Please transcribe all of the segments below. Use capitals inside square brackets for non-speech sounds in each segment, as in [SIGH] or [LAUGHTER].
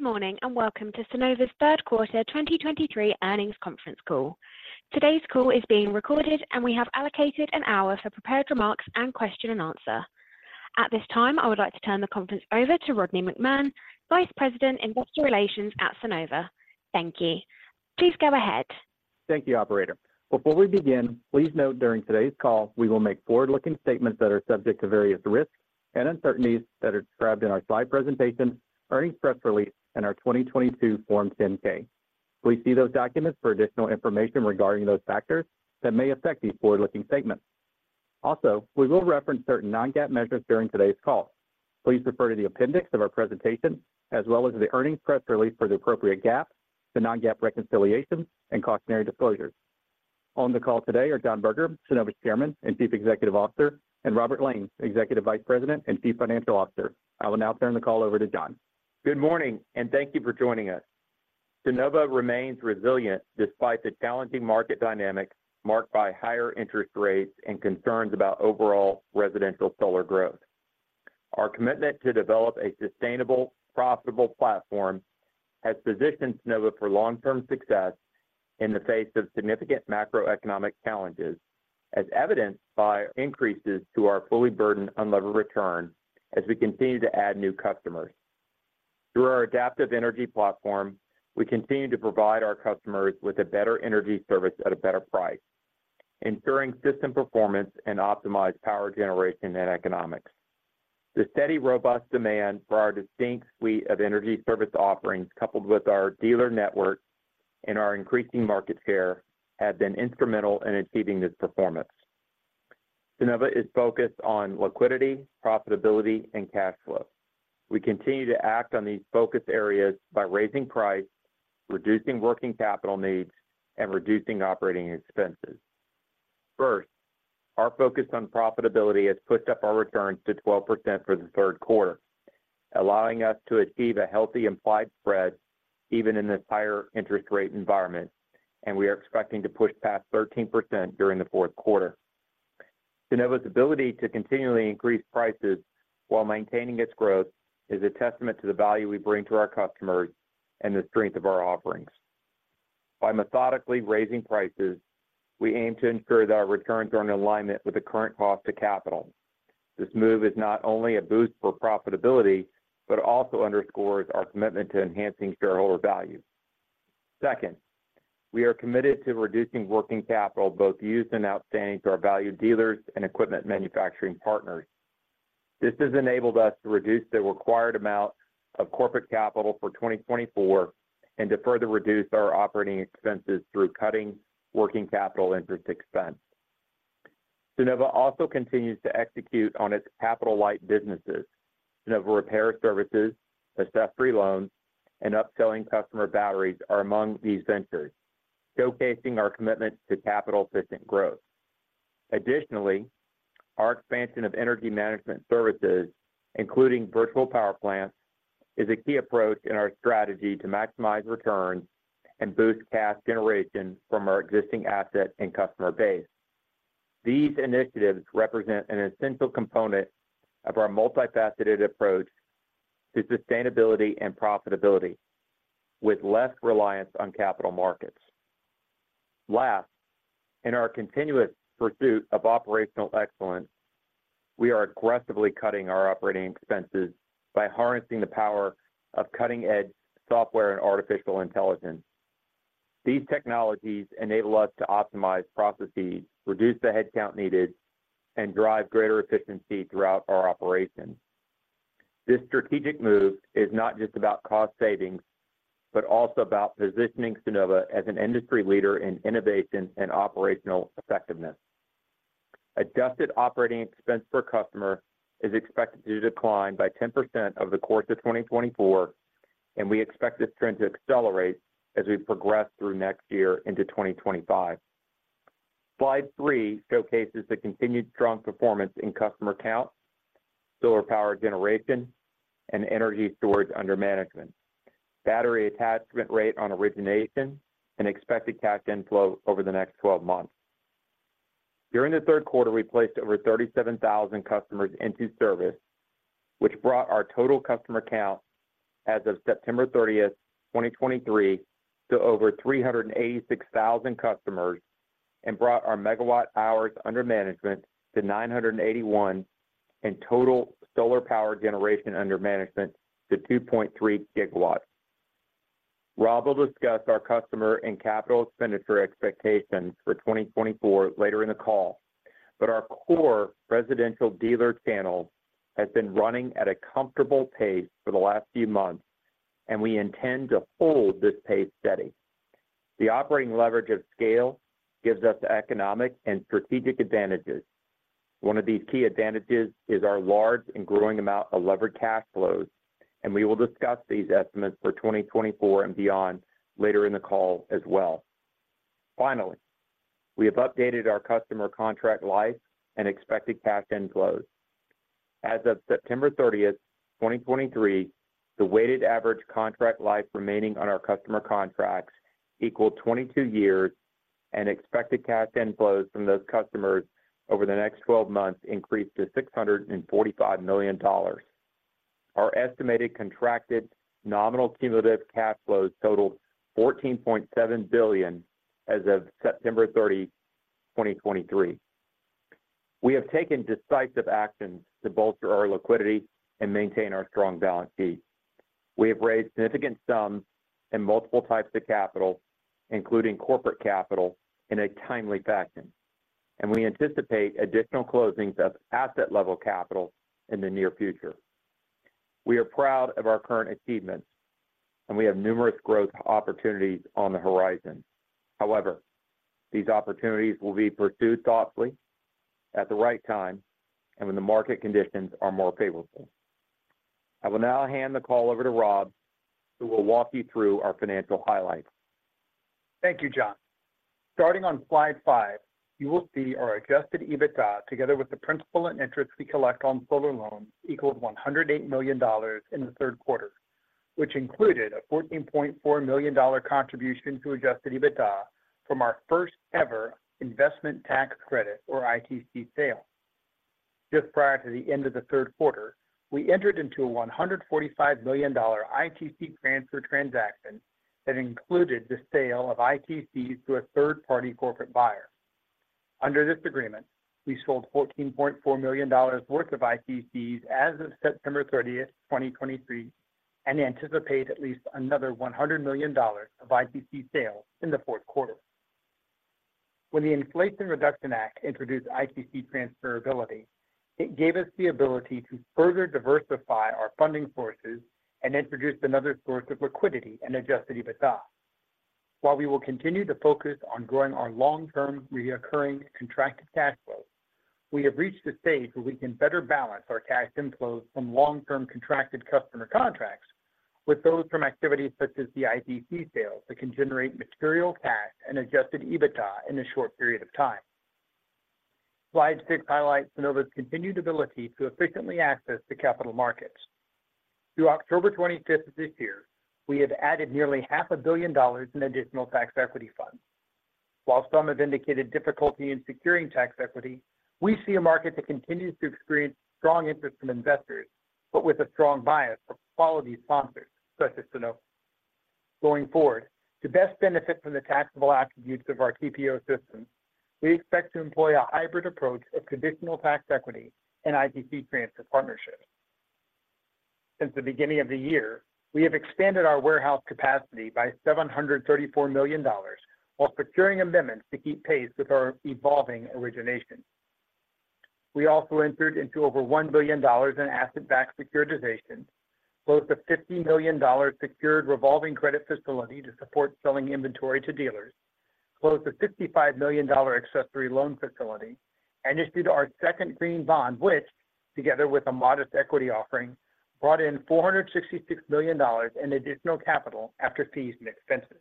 Good morning, and welcome to Sunnova's third quarter 2023 earnings conference call. Today's call is being recorded, and we have allocated an hour for prepared remarks and question and answer. At this time, I would like to turn the conference over to Rodney McMahan, Vice President, Investor Relations at Sunnova. Thank you. Please go ahead. Thank you, operator. Before we begin, please note, during today's call, we will make forward-looking statements that are subject to various risks and uncertainties that are described in our slide presentation, earnings press release, and our 2022 Form 10-K. Please see those documents for additional information regarding those factors that may affect these forward-looking statements. Also, we will reference certain non-GAAP measures during today's call. Please refer to the appendix of our presentation as well as the earnings press release for the appropriate GAAP, the non-GAAP reconciliations, and cautionary disclosures. On the call today are John Berger, Sunnova's Chairman and Chief Executive Officer, and Robert Lane, Executive Vice President and Chief Financial Officer. I will now turn the call over to John. Good morning, and thank you for joining us. Sunnova remains resilient despite the challenging market dynamics marked by higher interest rates and concerns about overall Residential Solar growth. Our commitment to develop a sustainable, profitable platform has positioned Sunnova for long-term success in the face of significant macroeconomic challenges, as evidenced by increases to our fully burdened unlevered return as we continue to add new customers. Through our adaptive energy platform, we continue to provide our customers with a better energy service at a better price, ensuring system performance and optimized power generation and economics. The steady, robust demand for our distinct suite of energy service offerings, coupled with our dealer network and our increasing market share, have been instrumental in achieving this performance. Sunnova is focused on liquidity, profitability, and cash flow. We continue to act on these focus areas by raising price, reducing working capital needs, and reducing operating expenses. First, our focus on profitability has pushed up our returns to 12% for the third quarter, allowing us to achieve a healthy implied spread even in this higher interest rate environment, and we are expecting to push past 13% during the fourth quarter. Sunnova's ability to continually increase prices while maintaining its growth is a testament to the value we bring to our customers and the strength of our offerings. By methodically raising prices, we aim to ensure that our returns are in alignment with the current cost of capital. This move is not only a boost for profitability, but also underscores our commitment to enhancing shareholder value. Second, we are committed to reducing working capital, both used and outstanding, to our valued dealers and equipment manufacturing partners. This has enabled us to reduce the required amount of corporate capital for 2024 and to further reduce our operating expenses through cutting working capital interest expense. Sunnova also continues to execute on its capital-light businesses. Sunnova Repair Services, asset-free loans, and upselling customer batteries are among these ventures, showcasing our commitment to capital-efficient growth. Additionally, our expansion of energy management services, including virtual power plants, is a key approach in our strategy to maximize returns and boost cash generation from our existing asset and customer base. These initiatives represent an essential component of our multifaceted approach to sustainability and profitability with less reliance on capital markets. Last, in our continuous pursuit of operational excellence, we are aggressively cutting our operating expenses by harnessing the power of cutting-edge software and artificial intelligence. These technologies enable us to optimize processes, reduce the headcount needed, and drive greater efficiency throughout our operations. This strategic move is not just about cost savings, but also about positioning Sunnova as an industry leader in innovation and operational effectiveness. Adjusted operating expense per customer is expected to decline by 10% over the course of 2024, and we expect this trend to accelerate as we progress through next year into 2025. Slide three showcases the continued strong performance in customer count, solar power generation, and energy storage under management, battery attachment rate on origination, and expected cash inflow over the next 12 months. During the third quarter, we placed over 37,000 customers into service, which brought our total customer count as of September 30th, 2023, to over 386,000 customers and brought our megawatt-hours under management to 981, and total solar power generation under management to 2.3 GW. Rob will discuss our customer and CapEx expectations for 2024 later in the call, but our core residential dealer channel has been running at a comfortable pace for the last few months, and we intend to hold this pace steady. The operating leverage of scale gives us economic and strategic advantages. One of these key advantages is our large and growing amount of levered cash flows, and we will discuss these estimates for 2024 and beyond later in the call as well. Finally, we have updated our customer contract life and expected cash inflows. As of September 30th, 2023, the weighted average contract life remaining on our customer contracts equaled 22 years, and expected cash inflows from those customers over the next 12 months increased to $645 million. Our estimated contracted nominal cumulative cash flows totaled $14.7 billion as of September 30, 2023. We have taken decisive actions to bolster our liquidity and maintain our strong balance sheet. We have raised significant sums in multiple types of capital, including corporate capital, in a timely fashion, and we anticipate additional closings of asset-level capital in the near future. We are proud of our current achievements, and we have numerous growth opportunities on the horizon. However, these opportunities will be pursued thoughtfully at the right time and when the market conditions are more favorable. I will now hand the call over to Rob, who will walk you through our financial highlights. Thank you, John. Starting on slide five, you will see our adjusted EBITDA, together with the principal and interest we collect on solar loans, equals $108 million in the third quarter, which included a $14.4 million contribution to adjusted EBITDA from our first-ever investment tax credit, or ITC, sale. Just prior to the end of the third quarter, we entered into a $145 million ITC transfer transaction that included the sale of ITCs to a third-party corporate buyer. Under this agreement, we sold $14.4 million worth of ITCs as of September 30, 2023, and anticipate at least another $100 million of ITC sales in the fourth quarter. When the Inflation Reduction Act introduced ITC transferability, it gave us the ability to further diversify our funding sources and introduced another source of liquidity and adjusted EBITDA. While we will continue to focus on growing our long-term recurring contracted cash flows, we have reached a stage where we can better balance our cash inflows from long-term contracted customer contracts with those from activities such as the ITC sales that can generate material cash and adjusted EBITDA in a short period of time. Slide six highlights Sunnova's continued ability to efficiently access the capital markets. Through October 25th of this year, we have added nearly $500 million in additional tax equity funds. While some have indicated difficulty in securing tax equity, we see a market that continues to experience strong interest from investors, but with a strong bias for quality sponsors such as Sunnova. Going forward, to best benefit from the taxable attributes of our TPO system, we expect to employ a hybrid approach of conditional tax equity and ITC transfer partnerships. Since the beginning of the year, we have expanded our warehouse capacity by $734 million while securing amendments to keep pace with our evolving origination. We also entered into over $1 billion in asset-backed securitization, close to $50 million secured revolving credit facility to support selling inventory to dealers, closed a $55 million accessory loan facility, and issued our second green bond, which, together with a modest equity offering, brought in $466 million in additional capital after fees and expenses.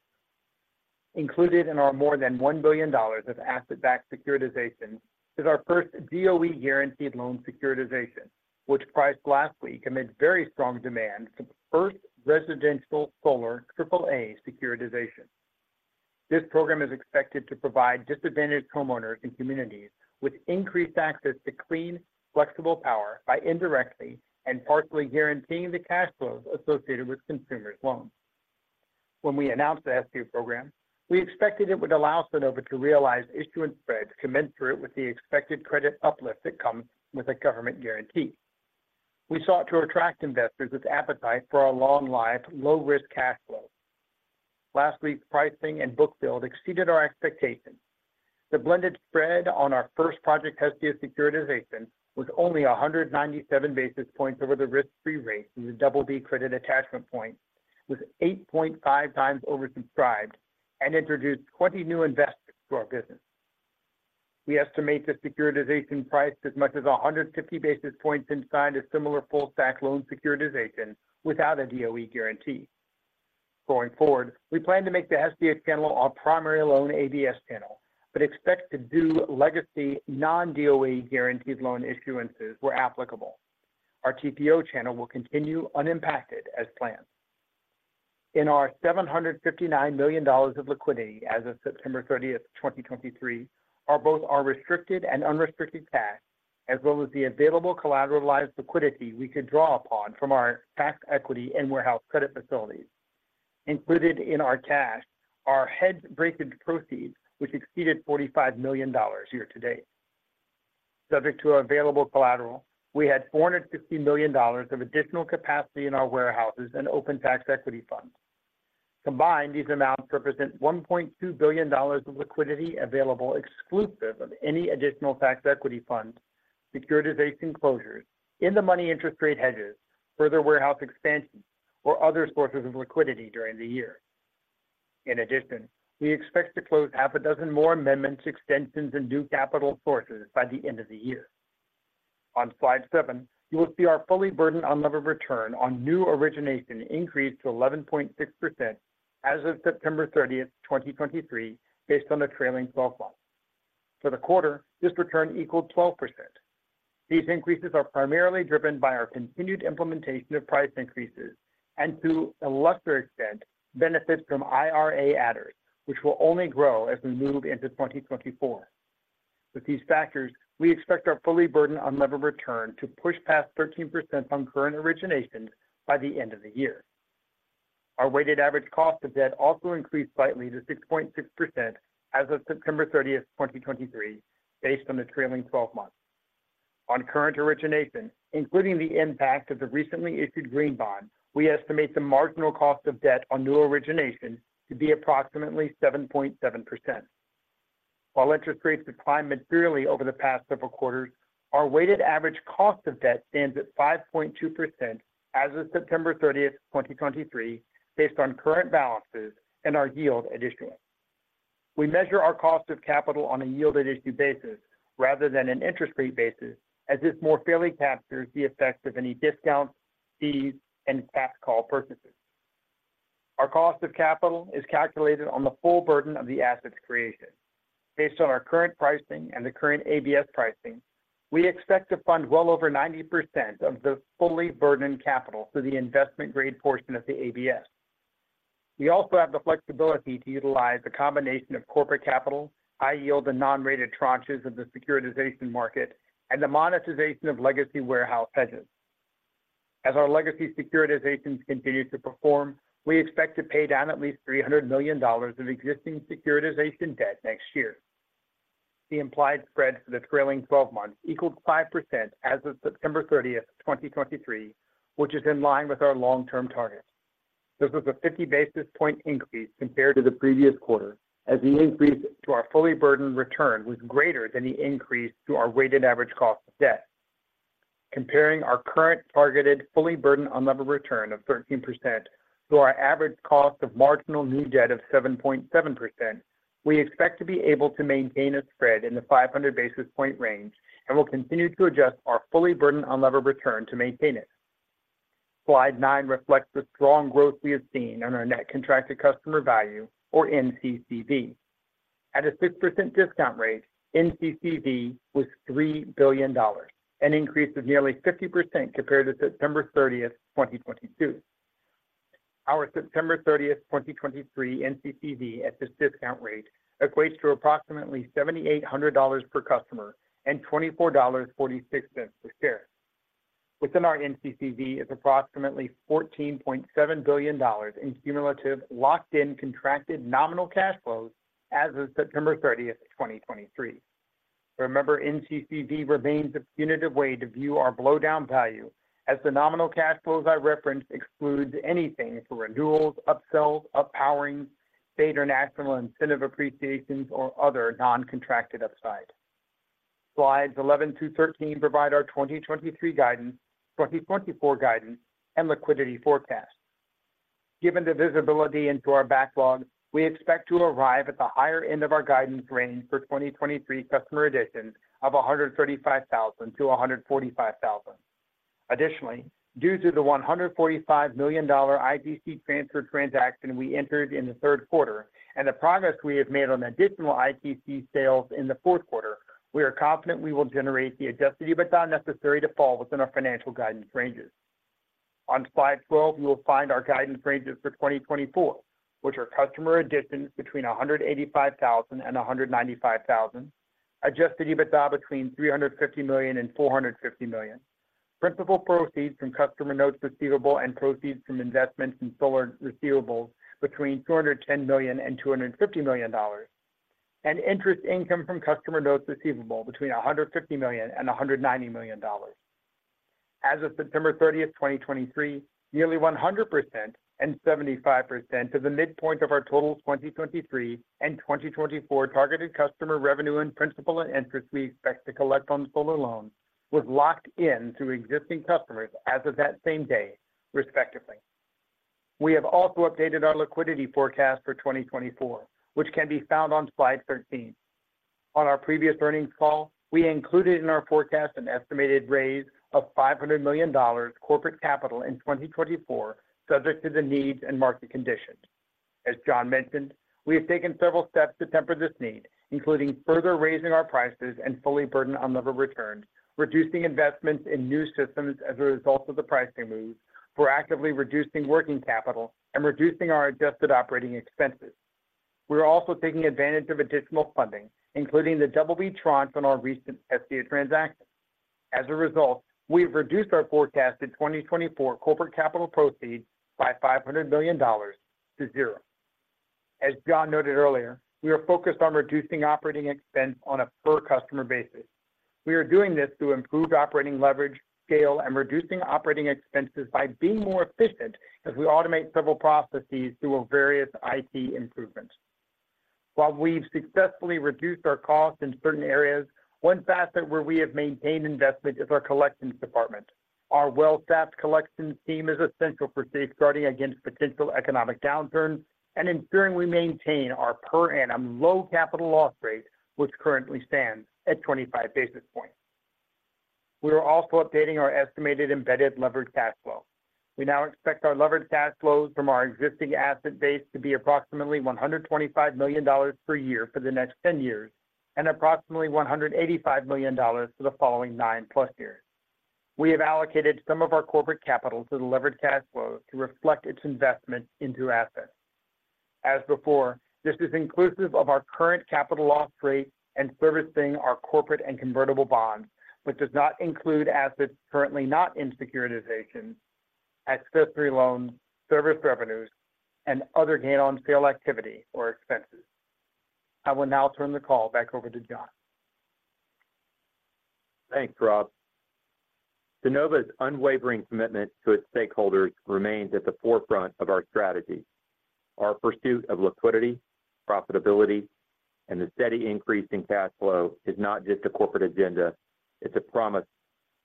Included in our more than $1 billion of asset-backed securitization is our first DOE-guaranteed loan securitization, which priced last week amid very strong demand for the first Residential Solar AAA securitization. This program is expected to provide disadvantaged homeowners and communities with increased access to clean, flexible power by indirectly and partially guaranteeing the cash flows associated with consumers' loans. When we announced the Hestia program, we expected it would allow Sunnova to realize issuance spreads commensurate with the expected credit uplift that comes with a government guarantee. We sought to attract investors with appetite for our long-lived, low-risk cash flows. Last week's pricing and book build exceeded our expectations. The blended spread on our first Project Hestia securitization was only 197 basis points over the risk-free rate in the BB credit attachment point, was 8.5x oversubscribed and introduced 20 new investors to our business. We estimate the securitization priced as much as 150 basis points inside a similar full-stack loan securitization without a DOE guarantee. Going forward, we plan to make the Hestia channel our primary loan ABS channel, but expect to do legacy non-DOE guaranteed loan issuances where applicable. Our TPO channel will continue unimpacted as planned. In our $759 million of liquidity as of September 30th, 2023, are both our restricted and unrestricted cash, as well as the available collateralized liquidity we could draw upon from our tax equity and warehouse credit facilities. Included in our cash are hedge breakage proceeds, which exceeded $45 million year-to-date. Subject to available collateral, we had $450 million of additional capacity in our warehouses and open tax equity funds. Combined, these amounts represent $1.2 billion of liquidity available, exclusive of any additional tax equity funds, securitization closures, in-the-money interest rate hedges, further warehouse expansions, or other sources of liquidity during the year. In addition, we expect to close six more amendments, extensions, and new capital sources by the end of the year. On slide seven, you will see our fully burdened unlevered return on new origination increased to 11.6% as of September 30th, 2023, based on the trailing twelve months. For the quarter, this return equaled 12%. These increases are primarily driven by our continued implementation of price increases and to a lesser extent, benefits from IRA adders, which will only grow as we move into 2024. With these factors, we expect our fully burdened unlevered return to push past 13% on current originations by the end of the year. Our weighted average cost of debt also increased slightly to 6.6% as of September 30th, 2023, based on the trailing twelve months. On current originations, including the impact of the recently issued green bond, we estimate the marginal cost of debt on new originations to be approximately 7.7%. While interest rates declined materially over the past several quarters, our weighted average cost of debt stands at 5.2% as of September 30th, 2023, based on current balances and our yield at issuance. We measure our cost of capital on a yield at issue basis rather than an interest rate basis, as this more fairly captures the effects of any discounts, fees, and tax call purchases. Our cost of capital is calculated on the full burden of the assets created. Based on our current pricing and the current ABS pricing, we expect to fund well over 90% of the fully burdened capital through the investment grade portion of the ABS. We also have the flexibility to utilize a combination of corporate capital, high yield and non-rated tranches of the securitization market and the monetization of legacy warehouse hedges. As our legacy securitizations continue to perform, we expect to pay down at least $300 million of existing securitization debt next year. The implied spread for the trailing twelve months equaled 5% as of September 30, 2023, which is in line with our long-term targets. This was a 50 basis point increase compared to the previous quarter, as the increase to our fully burdened return was greater than the increase to our weighted average cost of debt. Comparing our current targeted, fully burdened unlevered return of 13% to our average cost of marginal new debt of 7.7%, we expect to be able to maintain a spread in the 500 basis point range and will continue to adjust our fully burdened unlevered return to maintain it. Slide nine reflects the strong growth we have seen on our net contracted customer value, or NCCV. At a 6% discount rate, NCCV was $3 billion, an increase of nearly 50% compared to September 30, 2022. Our September 30th, 2023 NCCV at this discount rate equates to approximately $7,800 per customer and $24.46 per share. Within our NCCV is approximately $14.7 billion in cumulative, locked-in contracted nominal cash flows as of September 30th, 2023. Remember, NCCV remains a punitive way to view our blow-down value, as the nominal cash flows I referenced excludes anything for renewals, upsells, up-powering, state or national incentive appreciations, or other non-contracted upside. Slides 11-13 provide our 2023 guidance, 2024 guidance, and liquidity forecast. Given the visibility into our backlog, we expect to arrive at the higher end of our guidance range for 2023 customer additions of 135,000-145,000. Additionally, due to the $145 million ITC transfer transaction we entered in the third quarter and the progress we have made on additional ITC sales in the fourth quarter, we are confident we will generate the adjusted EBITDA necessary to fall within our financial guidance ranges. On slide 12, you will find our guidance ranges for 2024, which are customer additions between 185,000 and 195,000. adjusted EBITDA between $350 million and $450 million. Principal proceeds from customer notes receivable and proceeds from investments in solar receivables between $210 million and $250 million. Interest income from customer notes receivable between $150 million and $190 million. As of September 30th, 2023, nearly 100% and 75% of the midpoint of our total 2023 and 2024 targeted customer revenue and principal and interest we expect to collect on solar loans was locked in through existing customers as of that same day, respectively. We have also updated our liquidity forecast for 2024, which can be found on slide 13. On our previous earnings call, we included in our forecast an estimated raise of $500 million corporate capital in 2024, subject to the needs and market conditions. As John mentioned, we have taken several steps to temper this need, including further raising our prices and fully burdened unlevered returns, reducing investments in new systems as a result of the pricing moves, proactively reducing working capital, and reducing our adjusted operating expenses. We are also taking advantage of additional funding, including the BB tranche on our recent Hestia transaction. As a result, we've reduced our forecast in 2024 corporate capital proceeds by $500 million to zero. As John noted earlier, we are focused on reducing operating expense on a per-customer basis. We are doing this through improved operating leverage, scale, and reducing operating expenses by being more efficient as we automate several processes through our various IT improvements. While we've successfully reduced our costs in certain areas, one facet where we have maintained investment is our collections department. Our well-staffed collection team is essential for safeguarding against potential economic downturns and ensuring we maintain our per annum low capital loss rate, which currently stands at 25 basis points. We are also updating our estimated embedded levered cash flow. We now expect our levered cash flows from our existing asset base to be approximately $125 million per year for the next 10 years and approximately $185 million for the following nine-plus years. We have allocated some of our corporate capital to the levered cash flow to reflect its investment into assets. As before, this is inclusive of our current capital loss rate and servicing our corporate and convertible bonds, but does not include assets currently not in securitization, accessory loans, service revenues, and other gain on sale activity or expenses. I will now turn the call back over to John. Thanks, Rob. Sunnova's unwavering commitment to its stakeholders remains at the forefront of our strategy. Our pursuit of liquidity, profitability, and the steady increase in cash flow is not just a corporate agenda, it's a promise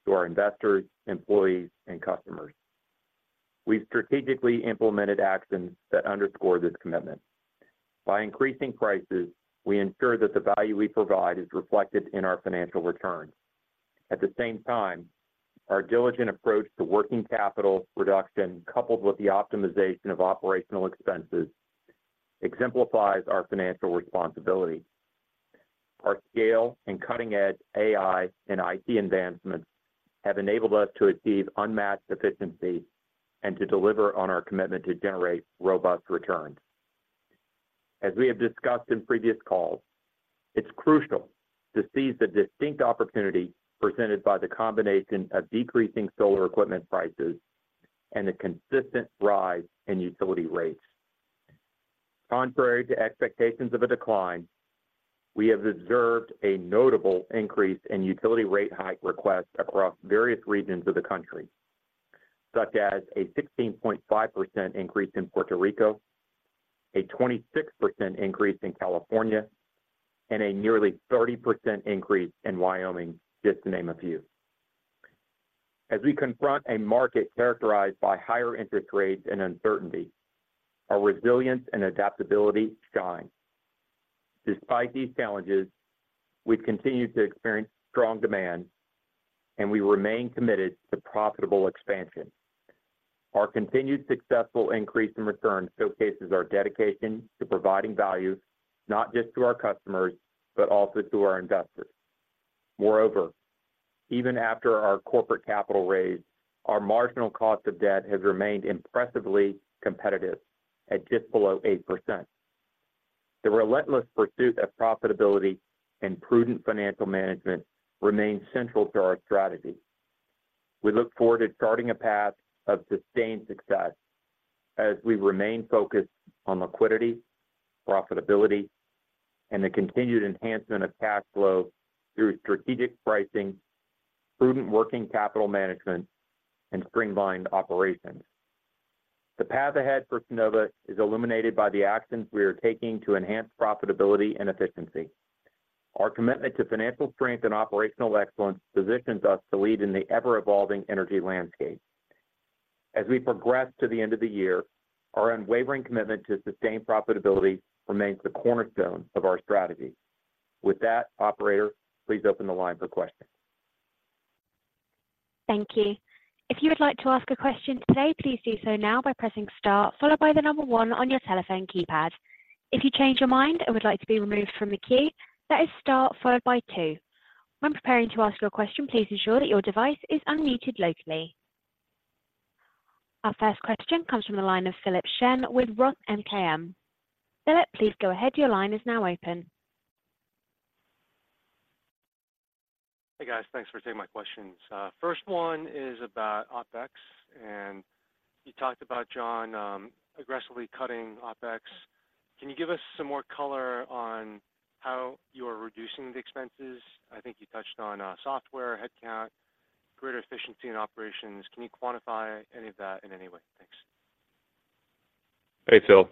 to our investors, employees, and customers. We've strategically implemented actions that underscore this commitment. By increasing prices, we ensure that the value we provide is reflected in our financial returns. At the same time, our diligent approach to working capital reduction, coupled with the optimization of operational expenses, exemplifies our financial responsibility. Our scale and cutting-edge AI and IT advancements have enabled us to achieve unmatched efficiency and to deliver on our commitment to generate robust returns. As we have discussed in previous calls, it's crucial to seize the distinct opportunity presented by the combination of decreasing solar equipment prices and the consistent rise in utility rates. Contrary to expectations of a decline, we have observed a notable increase in utility rate hike requests across various regions of the country, such as a 16.5% increase in Puerto Rico, a 26% increase in California, and a nearly 30% increase in Wyoming, just to name a few. As we confront a market characterized by higher interest rates and uncertainty, our resilience and adaptability shine. Despite these challenges, we've continued to experience strong demand, and we remain committed to profitable expansion. Our continued successful increase in returns showcases our dedication to providing value not just to our customers, but also to our investors. Moreover, even after our corporate capital raise, our marginal cost of debt has remained impressively competitive at just below 8%. The relentless pursuit of profitability and prudent financial management remains central to our strategy. We look forward to charting a path of sustained success as we remain focused on liquidity, profitability, and the continued enhancement of cash flow through strategic pricing, prudent working capital management, and streamlined operations. The path ahead for Sunnova is illuminated by the actions we are taking to enhance profitability and efficiency. Our commitment to financial strength and operational excellence positions us to lead in the ever-evolving energy landscape. As we progress to the end of the year, our unwavering commitment to sustained profitability remains the cornerstone of our strategy. With that, operator, please open the line for questions. Thank you. If you would like to ask a question today, please do so now by pressing star, followed by the number one on your telephone keypad. If you change your mind and would like to be removed from the queue, that is star followed by two. When preparing to ask your question, please ensure that your device is unmuted locally. Our first question comes from the line of Philip Shen with ROTH MKM. Philip, please go ahead. Your line is now open. Hey, guys. Thanks for taking my questions. First one is about OpEx, and you talked about, John, aggressively cutting OpEx. Can you give us some more color on how you are reducing the expenses? I think you touched on, software, headcount, greater efficiency in operations. Can you quantify any of that in any way? Thanks. Hey, Phil,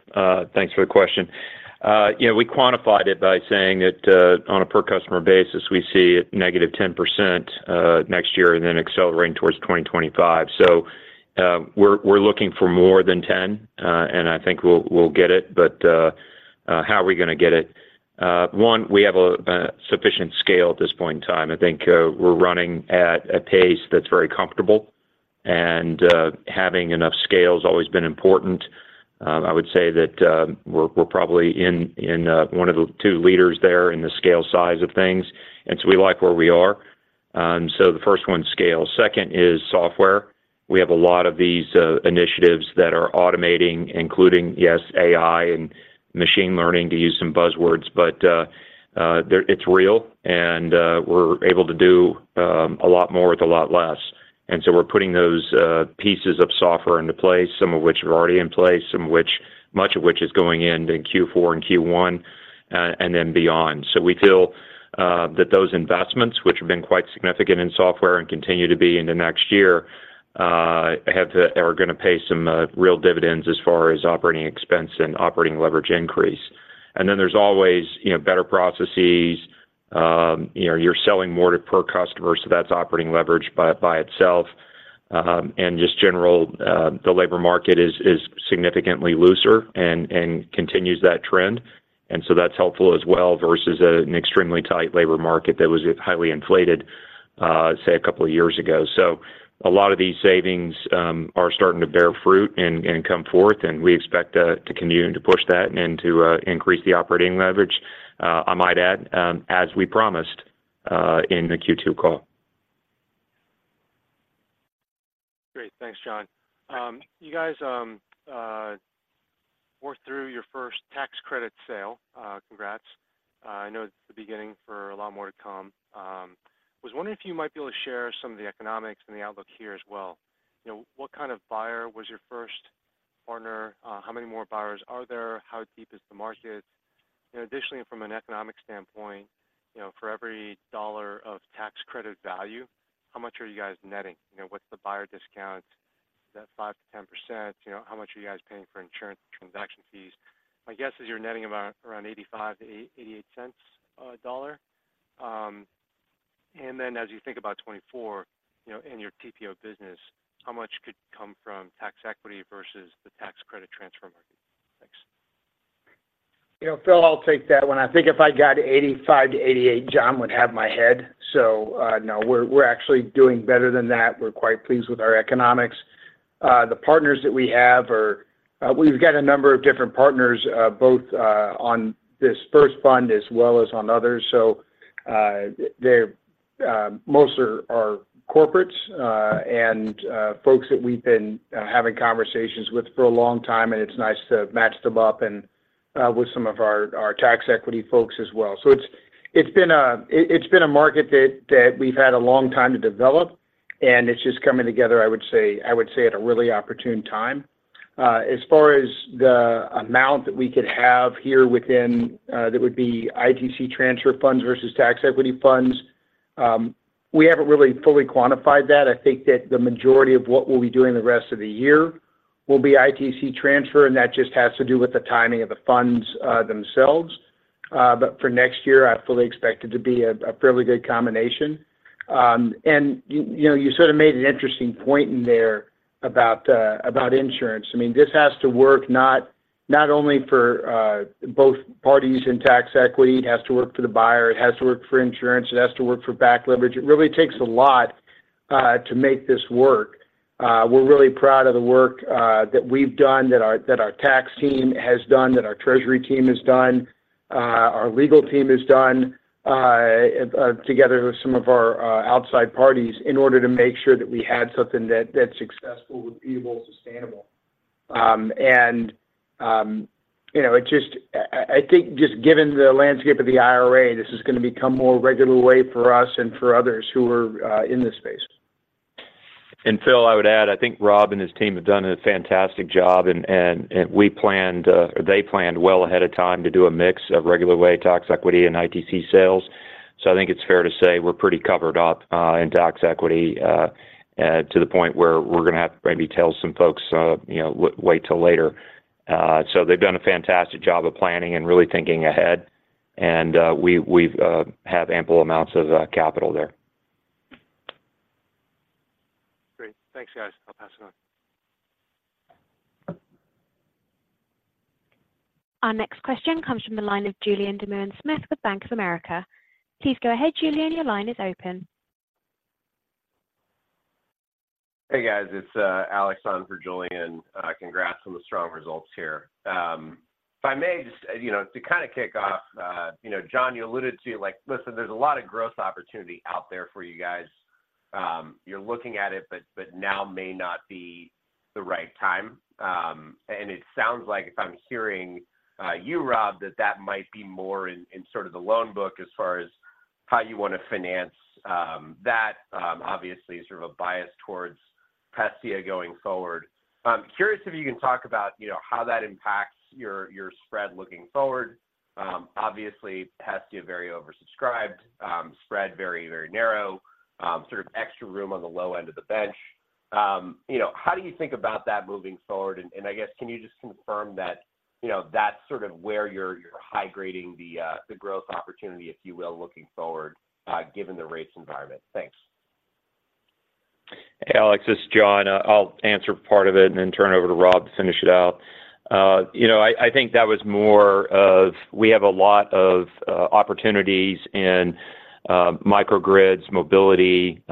thanks for the question. Yeah, we quantified it by saying that, on a per customer basis, we see it -10%, next year and then accelerating towards 2025. So, we're looking for more than -10%, and I think we'll get it. But, how are we going to get it? One, we have a sufficient scale at this point in time. I think, we're running at a pace that's very comfortable, and, having enough scale has always been important. I would say that, we're probably in one of the two leaders there in the scale size of things, and so we like where we are. So the first one, scale. Second is software. We have a lot of these initiatives that are automating, including, yes, AI and machine learning, to use some buzzwords, but, it's real and, we're able to do a lot more with a lot less. And so we're putting those pieces of software into place, some of which are already in place, much of which is going in in Q4 and Q1, and then beyond. So we feel that those investments, which have been quite significant in software and continue to be in the next year, are going to pay some real dividends as far as operating expense and operating leverage increase. And then there's always, you know, better processes. You know, you're selling more to per customer, so that's operating leverage by itself. And just general, the labor market is, is significantly looser and, and continues that trend. And so that's helpful as well, versus a, an extremely tight labor market that was highly inflated, say, a couple of years ago. So a lot of these savings, are starting to bear fruit and, and come forth, and we expect, to continue to push that and to, increase the operating leverage, I might add, as we promised, in the Q2 call. Great. Thanks, John. You guys worked through your first tax credit sale. Congrats. I know it's the beginning for a lot more to come. Was wondering if you might be able to share some of the economics and the outlook here as well. You know, what kind of buyer was your first partner? How many more buyers are there? How deep is the market? And additionally, from an economic standpoint, you know, for every dollar of tax credit value, how much are you guys netting? You know, what's the buyer discount? Is that 5%-10%? You know, how much are you guys paying for insurance and transaction fees? My guess is you're netting about around $0.85-$0.88 per $1. And then, as you think about 2024, you know, in your TPO business, how much could come from tax equity versus the tax credit transfer market? Thanks. You know, Phil, I'll take that one. I think if I got $0.85-$0.88, John would have my head. So, no, we're actually doing better than that. We're quite pleased with our economics. The partners that we have are, we've got a number of different partners, both on this first fund as well as on others. So, they're most are corporates, and folks that we've been having conversations with for a long time, and it's nice to match them up and with some of our tax equity folks as well. So it's been a market that we've had a long time to develop, and it's just coming together, I would say, I would say, at a really opportune time. As far as the amount that we could have here within, that would be ITC transfer funds versus tax equity funds, we haven't really fully quantified that. I think that the majority of what we'll be doing the rest of the year will be ITC transfer, and that just has to do with the timing of the funds themselves. But for next year, I fully expect it to be a fairly good combination. And you know, you sort of made an interesting point in there about insurance. I mean, this has to work not only for both parties in tax equity, it has to work for the buyer, it has to work for insurance, it has to work for back leverage. It really takes a lot to make this work. We're really proud of the work that we've done, that our tax team has done, that our treasury team has done, our legal team has done, together with some of our outside parties, in order to make sure that we had something that's successful, repeatable, sustainable. You know, it just—I think just given the landscape of the IRA, this is going to become more regular way for us and for others who are in this space. Phil, I would add, I think Rob and his team have done a fantastic job, and they planned well ahead of time to do a mix of regular way tax equity and ITC sales. So I think it's fair to say we're pretty covered up in tax equity to the point where we're going to have to maybe tell some folks, you know, wait till later. So they've done a fantastic job of planning and really thinking ahead, and we have ample amounts of capital there. Great. Thanks, guys. I'll pass it on. Our next question comes from the line of Julien Dumoulin-Smith with Bank of America. Please go ahead, Julien. Your line is open. Hey, guys, it's Alex on for Julien. Congrats on the strong results here. If I may just, you know, to kind of kick off, you know, John, you alluded to, like, listen, there's a lot of growth opportunity out there for you guys. You're looking at it, but, but now may not be the right time. And it sounds like if I'm hearing you, Rob, that that might be more in, in sort of the loan book as far as how you want to finance, that, obviously sort of a bias towards Hestia going forward. I'm curious if you can talk about, you know, how that impacts your, your spread looking forward. Obviously, Hestia, very oversubscribed, spread very, very narrow, sort of extra room on the low end of the bench. You know, how do you think about that moving forward? And I guess, can you just confirm that, you know, that's sort of where you're high-grading the growth opportunity, if you will, looking forward, given the rates environment? Thanks. Hey, Alex, this is John. I'll answer part of it and then turn it over to Rob to finish it out. You know, I think that was more of we have a lot of opportunities in microgrids, mobility,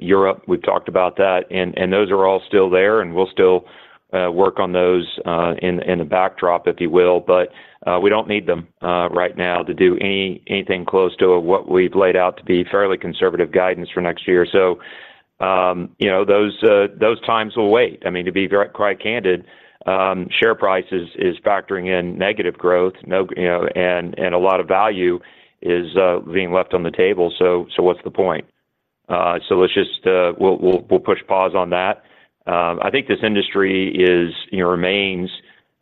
Europe. We've talked about that, and those are all still there, and we'll still work on those in the backdrop, if you will. But we don't need them right now to do anything close to what we've laid out to be fairly conservative guidance for next year. So, you know, those times will wait. I mean, to be very quite candid, share price is factoring in negative growth, no, you know, and a lot of value is being left on the table. So, what's the point? So let's just push pause on that. I think this industry is, you know, remains,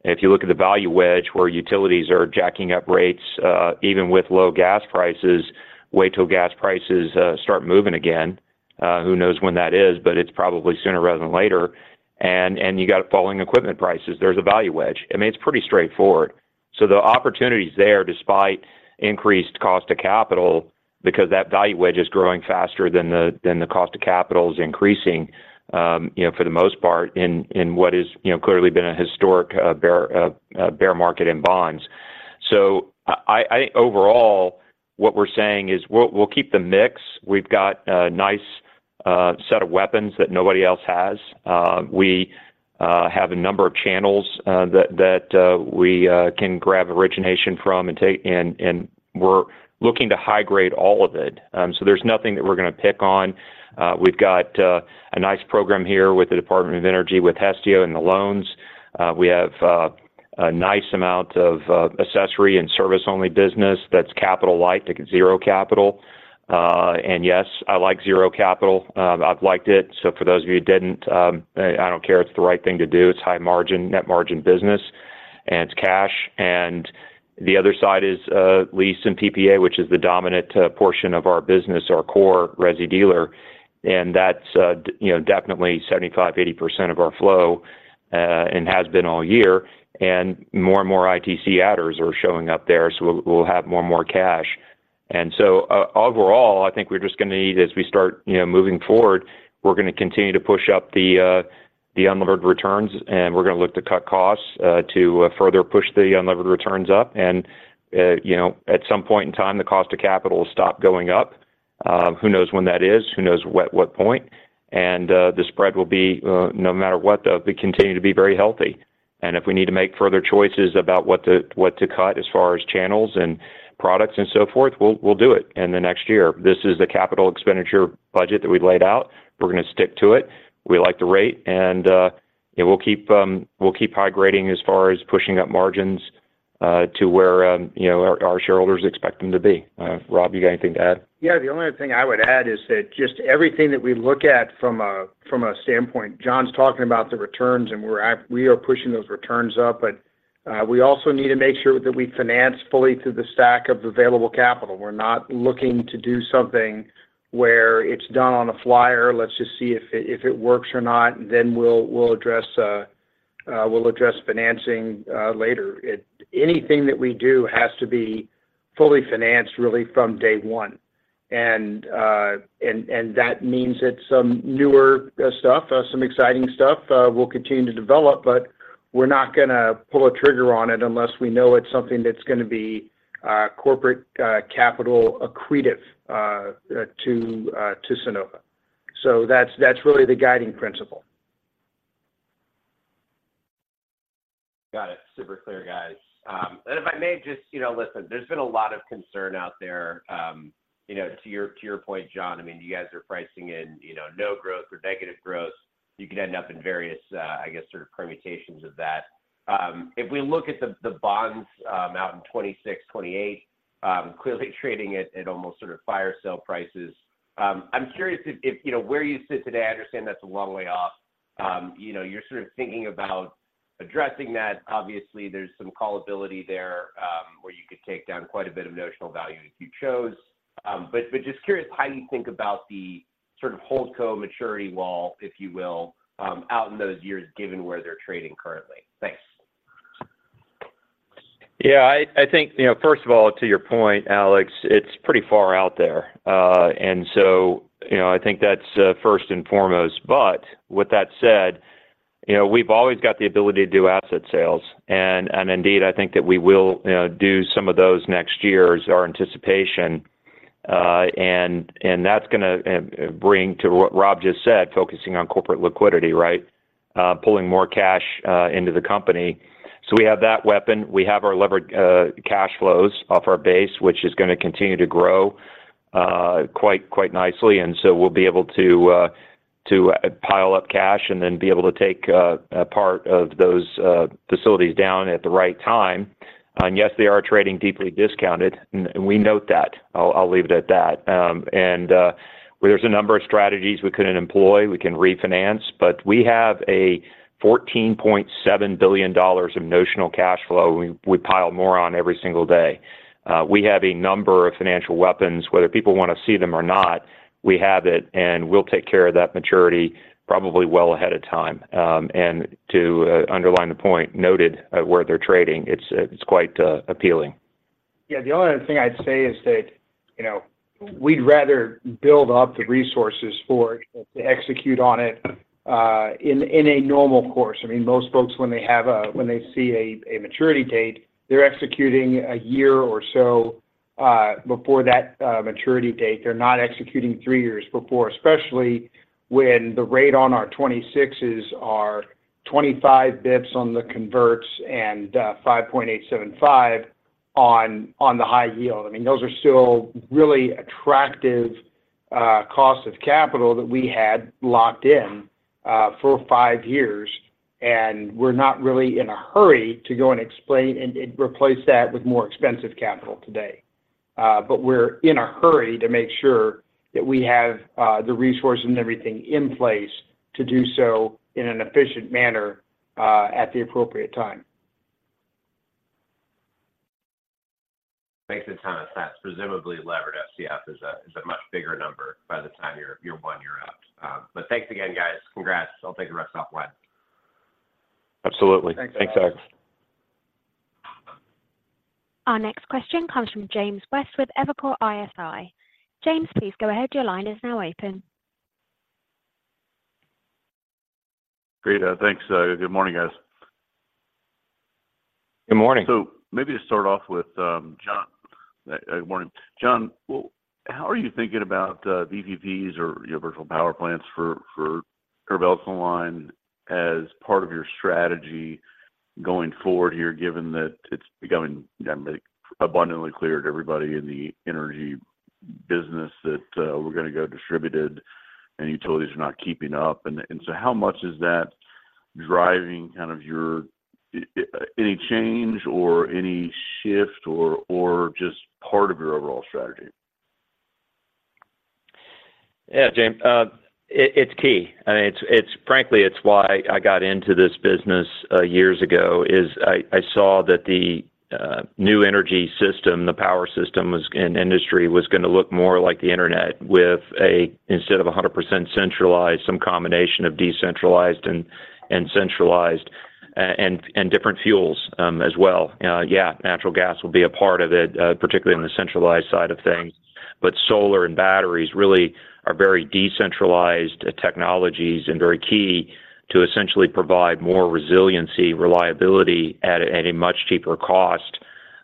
if you look at the value wedge, where utilities are jacking up rates, even with low gas prices, wait till gas prices start moving again. Who knows when that is, but it's probably sooner rather than later. And you got falling equipment prices. There's a value wedge. I mean, it's pretty straightforward. So the opportunity is there despite increased cost of capital, because that value wedge is growing faster than the cost of capital is increasing, you know, for the most part, in what is, you know, clearly been a historic bear market in bonds. So overall, what we're saying is we'll keep the mix. We've got a nice set of weapons that nobody else has. We have a number of channels that we can grab origination from and take and we're looking to high grade all of it. So there's nothing that we're going to pick on. We've got a nice program here with the Department of Energy, with Hestia and the loans. We have a nice amount of accessory and service-only business that's capital-light, like zero capital. And yes, I like zero capital. I've liked it. So for those of you who didn't, I don't care, it's the right thing to do. It's high-margin, net margin business, and it's cash. And the other side is, lease and PPA, which is the dominant portion of our business, our core resi dealer, and that's, you know, definitely 75%-80% of our flow, and has been all year, and more and more ITC adders are showing up there, so we'll have more and more cash. And so overall, I think we're just going to need, as we start, you know, moving forward, we're going to continue to push up the, the unlevered returns, and we're going to look to cut costs, to further push the unlevered returns up. And, you know, at some point in time, the cost of capital will stop going up. Who knows when that is? Who knows at what point? And, the spread will be, no matter what, though, will continue to be very healthy. If we need to make further choices about what to cut as far as channels and products and so forth, we'll do it in the next year. This is the CapEx budget that we've laid out. We're going to stick to it. We like the rate, and we'll keep high grading as far as pushing up margins to where, you know, our shareholders expect them to be. Rob, you got anything to add? Yeah, the only other thing I would add is that just everything that we look at from a standpoint, John's talking about the returns, and we are pushing those returns up, but we also need to make sure that we finance fully to the stack of available capital. We're not looking to do something where it's done on a flyer. Let's just see if it works or not, then we'll address financing later. Anything that we do has to be fully financed, really, from day one. And that means that some newer stuff, some exciting stuff, will continue to develop, but we're not going to pull a trigger on it unless we know it's something that's going to be corporate capital accretive to Sunnova. So that's, that's really the guiding principle. Got it. Super clear, guys. And if I may just, you knowListen, there's been a lot of concern out there, you know, to your, to your point, John, I mean, you guys are pricing in, you know, no growth or negative growth. You could end up in various, I guess, sort of permutations of that. If we look at the, the bonds, out in 2026, 2028, clearly trading at, at almost sort of fire sale prices, I'm curious if, you know, where you sit today, I understand that's a long way off. You know, you're sort of thinking about addressing that. Obviously, there's some callability there, where you could take down quite a bit of notional value if you chose. But just curious, how do you think about the sort of holdco maturity wall, if you will, out in those years, given where they're trading currently? Thanks. Yeah, I think, you know, first of all, to your point, Alex, it's pretty far out there. And so, you know, I think that's first and foremost. But with that said, you know, we've always got the ability to do asset sales, and indeed, I think that we will do some of those next year is our anticipation. And that's going to bring to what Rob just said, focusing on corporate liquidity, right? Pulling more cash into the company. So we have that weapon. We have our levered cash flows off our base, which is going to continue to grow quite nicely, and so we'll be able to pile up cash and then be able to take a part of those facilities down at the right time. And yes, they are trading deeply discounted, and we note that. I'll leave it at that. There's a number of strategies we couldn't employ. We can refinance, but we have $14.7 billion of notional cash flow. We pile more on every single day. We have a number of financial weapons, whether people want to see them or not, we have it, and we'll take care of that maturity probably well ahead of time. And to underline the point noted, where they're trading, it's quite appealing. Yeah, the only other thing I'd say is that, you know, we'd rather build up the resources for it to execute on it in a normal course. I mean, most folks, when they see a maturity date, they're executing a year or so before that maturity date. They're not executing three years before, especially when the rate on our 2026s are 25 basis points on the converts and 5.875 on the high yield. I mean, those are still really attractive cost of capital that we had locked in for five years, and we're not really in a hurry to go and refinance and replace that with more expensive capital today. But we're in a hurry to make sure that we have the resource and everything in place to do so in an efficient manner at the appropriate time. Makes a ton of sense. Presumably levered FCF is a much bigger number by the time you're one year out. But thanks again, guys. Congrats. I'll take the rest off-line. Absolutely. Thanks, Alex. Our next question comes from James West with Evercore ISI. James, please go ahead. Your line is now open. Great. Thanks. Good morning, guys. Good morning. So maybe to start off with, John. Good morning. John, well, how are you thinking about VPPs or, you know, virtual power plants for [INAUDIBLE] as part of your strategy going forward here, given that it's becoming, I mean, abundantly clear to everybody in the energy business that we're going to go distributed and utilities are not keeping up? And so how much is that driving kind of your any change or any shift or just part of your overall strategy? Yeah, James, it's key, and it's frankly why I got into this business years ago, is I saw that the new energy system, the power system in industry, was going to look more like the internet with instead of 100% centralized, some combination of decentralized and centralized, and different fuels, as well. Yeah, natural gas will be a part of it, particularly on the centralized side of things. But solar and batteries really are very decentralized technologies, and very key to essentially provide more resiliency, reliability at a much cheaper cost,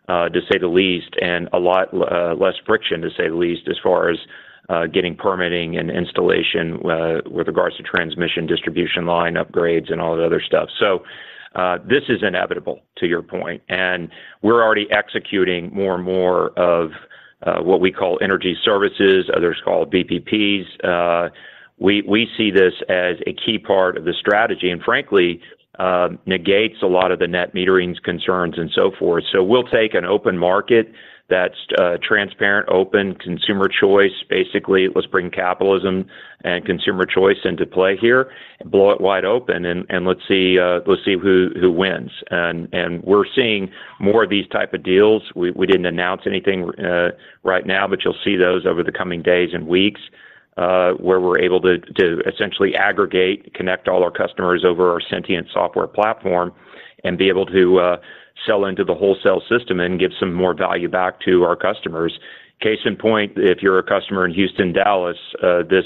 to say the least, and a lot less friction, to say the least, as far as getting permitting and installation with regards to transmission, distribution, line upgrades, and all that other stuff. So, this is inevitable, to your point, and we're already executing more and more of what we call energy services. Others call it VPPs. We see this as a key part of the strategy, and frankly, negates a lot of the net metering concerns and so forth. So we'll take an open market that's transparent, open, consumer choice. Basically, let's bring capitalism and consumer choice into play here and blow it wide open, and let's see who wins. And we're seeing more of these type of deals. We didn't announce anything right now, but you'll see those over the coming days and weeks, where we're able to essentially aggregate, connect all our customers over our Sentient software platform and be able to sell into the wholesale system and give some more value back to our customers. Case in point, if you're a customer in Houston, Dallas, this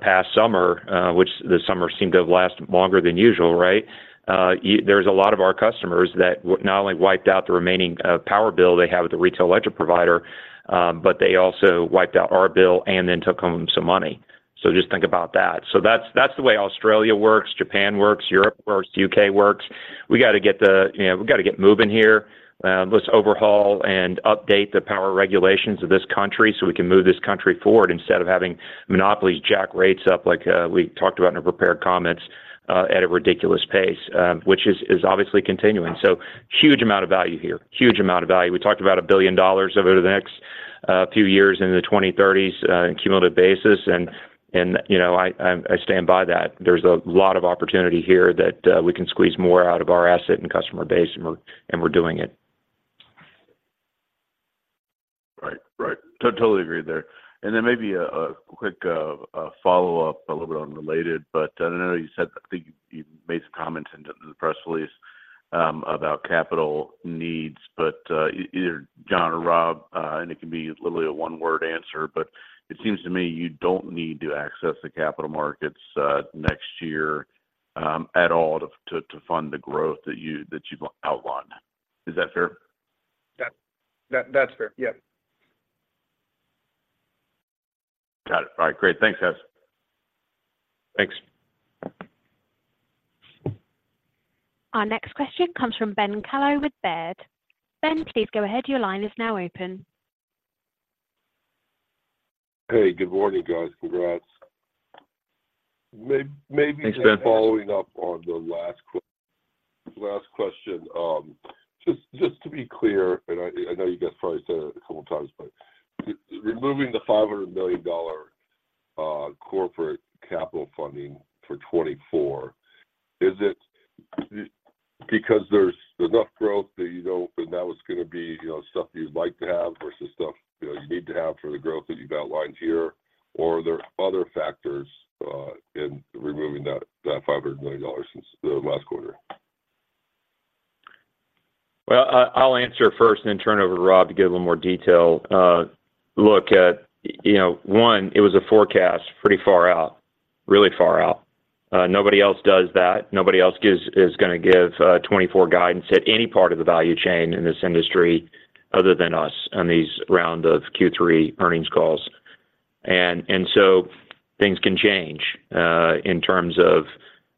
past summer, which the summer seemed to have lasted longer than usual, right? There's a lot of our customers that not only wiped out the remaining power bill they have with the retail electric provider, but they also wiped out our bill and then took home some money. So just think about that. So that's the way Australia works, Japan works, Europe works, U.K. works. We got to get the—you know, we got to get moving here. Let's overhaul and update the power regulations of this country so we can move this country forward instead of having monopolies jack rates up, like, we talked about in our prepared comments, at a ridiculous pace, which is obviously continuing. So huge amount of value here. Huge amount of value. We talked about $1 billion over the next few years into the 2030s, in cumulative basis, and, you know, I stand by that. There's a lot of opportunity here that we can squeeze more out of our asset and customer base, and we're doing it. Right. Right. Totally agree there. And then maybe a quick follow-up, a little bit unrelated, but I know you said—I think you made some comments in the press release about capital needs, but either John or Rob, and it can be literally a one-word answer, but it seems to me you don't need to access the capital markets next year at all, to fund the growth that you've outlined. Is that fair? Yeah. That, that's fair. Yeah. Got it. All right, great. Thanks, guys. Thanks. Our next question comes from Ben Kallo with Baird. Ben, please go ahead. Your line is now open. Hey, good morning, guys. Congrats. Thanks, Ben. Following up on the last question, just to be clear, and I know you guys probably said it a couple times, but removing the $500 million corporate capital funding for 2024, is it because there's enough growth that you know, and now it's going to be, you know, stuff you'd like to have versus stuff, you know, you need to have for the growth that you've outlined here? Or are there other factors in removing that $500 million since the last quarter? Well, I, I'll answer first and then turn it over to Rob to give a little more detail. Look, you know, one, it was a forecast pretty far out, really far out. Nobody else does that. Nobody else gives- is gonna give, 2024 guidance at any part of the value chain in this industry other than us on these round of Q3 earnings calls. And, and so things can change, in terms of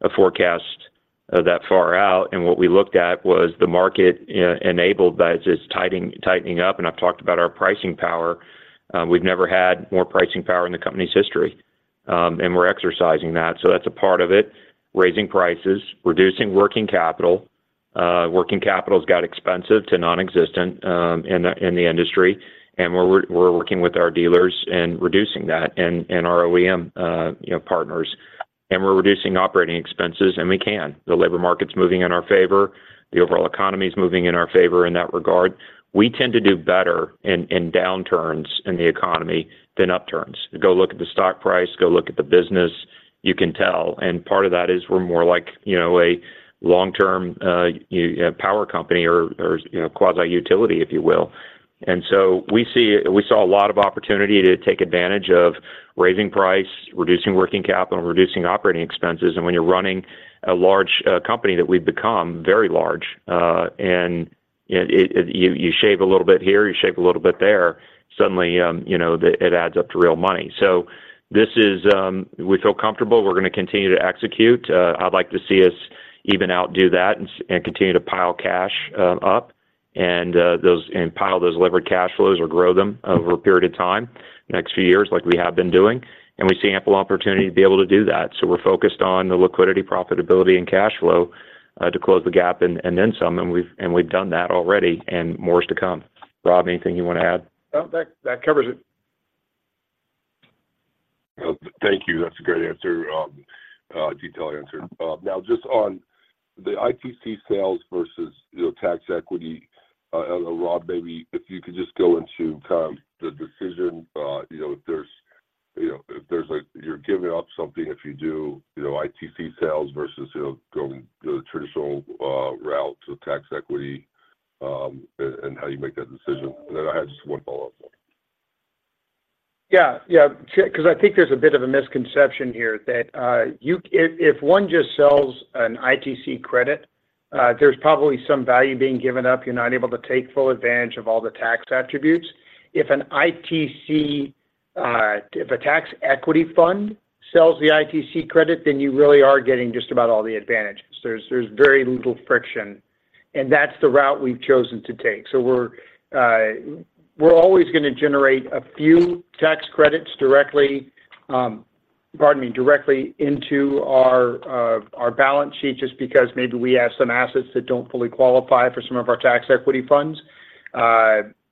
a forecast, that far out, and what we looked at was the market enabled by this tightening, tightening up, and I've talked about our pricing power. We've never had more pricing power in the company's history, and we're exercising that. So that's a part of it: raising prices, reducing working capital. Working capital's got expensive to nonexistent in the industry, and we're working with our dealers and reducing that and our OEM, you know, partners, and we're reducing operating expenses, and we can. The labor market's moving in our favor, the overall economy is moving in our favor in that regard. We tend to do better in downturns in the economy than upturns. Go look at the stock price, go look at the business, you can tell, and part of that is we're more like, you know, a long-term, you know, power company or you know, quasi-utility, if you will. And so we saw a lot of opportunity to take advantage of raising price, reducing working capital, and reducing operating expenses. When you're running a large company that we've become, very large, and it adds up to real money. So this is—we feel comfortable. We're going to continue to execute. I'd like to see us even outdo that and continue to pile cash up and pile those levered cash flows or grow them over a period of time, the next few years, like we have been doing, and we see ample opportunity to be able to do that. So we're focused on the liquidity, profitability, and cash flow to close the gap and then some. And we've done that already, and more is to come. Rob, anything you want to add? No, that covers it. Thank you. That's a great answer, detailed answer. Now just on the ITC sales versus, you know, tax equity, Rob, maybe if you could just go into the decision, you know, if there's—you know, if there's, like, you're giving up something if you do, you know, ITC sales versus, you know, going the traditional route to tax equity, and how you make that decision. And then I have just one follow-up. Yeah, yeah. 'Cause I think there's a bit of a misconception here that if one just sells an ITC credit, there's probably some value being given up. You're not able to take full advantage of all the tax attributes. If a tax equity fund sells the ITC credit, then you really are getting just about all the advantages. There's very little friction, and that's the route we've chosen to take. So we're always gonna generate a few tax credits directly into our balance sheet, just because maybe we have some assets that don't fully qualify for some of our tax equity funds,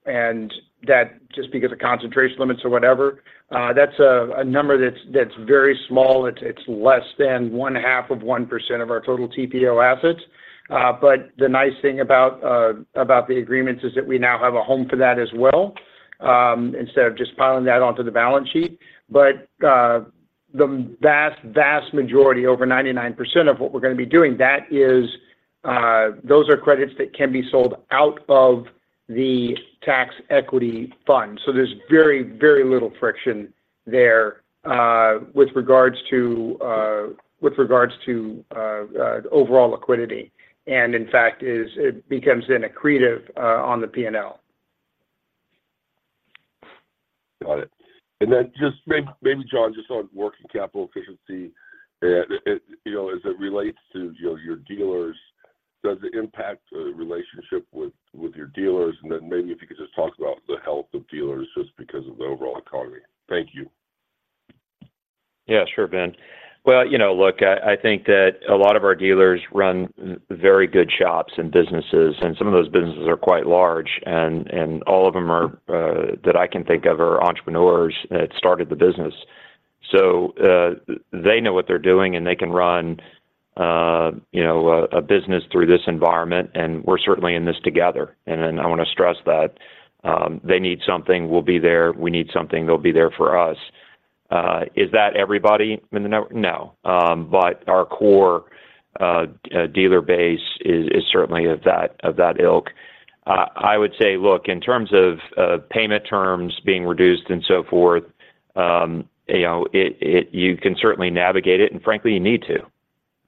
and that just because of concentration limits or whatever, that's a number that's very small. It's less than 1/2 of 1% of our total TPO assets. But the nice thing about the agreements is that we now have a home for that as well, instead of just piling that onto the balance sheet. But the vast, vast majority, over 99% of what we're gonna be doing, that is, those are credits that can be sold out of the tax equity fund. So there's very, very little friction there, with regards to, with regards to, overall liquidity, and in fact, it becomes then accretive on the P&L. Got it. And then, just maybe, John, just on working capital efficiency, and it, you know, as it relates to, you know, your dealers, does it impact the relationship with your dealers? And then maybe if you could just talk about the health of dealers just because of the overall economy. Thank you. Yeah, sure, Ben. Well, you know, look, I think that a lot of our dealers run very good shops and businesses, and some of those businesses are quite large, and all of them that I can think of are entrepreneurs that started the business. So, they know what they're doing, and they can run, you know, a business through this environment, and we're certainly in this together. And then, I want to stress that they need something, we'll be there. We need something, they'll be there for us. Is that everybody in the network? No, but our core dealer base is certainly of that ilk. I would say, look, in terms of payment terms being reduced and so forth, you know, it—you can certainly navigate it, and frankly, you need to.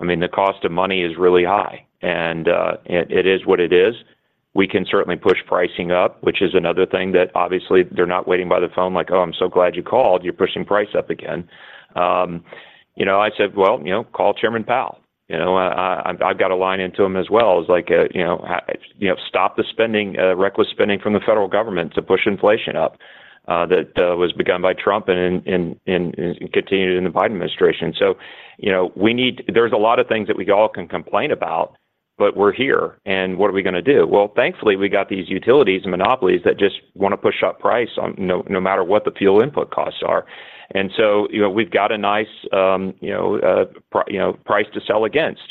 I mean, the cost of money is really high, and it is what it is. We can certainly push pricing up, which is another thing that obviously they're not waiting by the phone like, "Oh, I'm so glad you called. You're pushing price up again." You know, I said, "Well, you know, call Chairman Powell," you know? I've got a line into him as well. It's like, you know, "Stop the spending, reckless spending from the federal government to push inflation up," that was begun by Trump and continued in the Biden administration. So, you know, we need, there's a lot of things that we all can complain about, but we're here, and what are we gonna do? Well, thankfully, we got these utilities and monopolies that just want to push up price on—no, no matter what the fuel input costs are. And so, you know, we've got a nice, you know, price to sell against,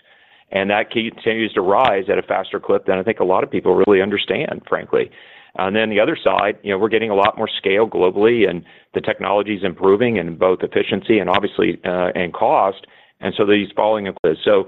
and that continues to rise at a faster clip than I think a lot of people really understand, frankly. Then the other side, you know, we're getting a lot more scale globally, and the technology is improving in both efficiency and obviously, and cost. And so these follow up with—so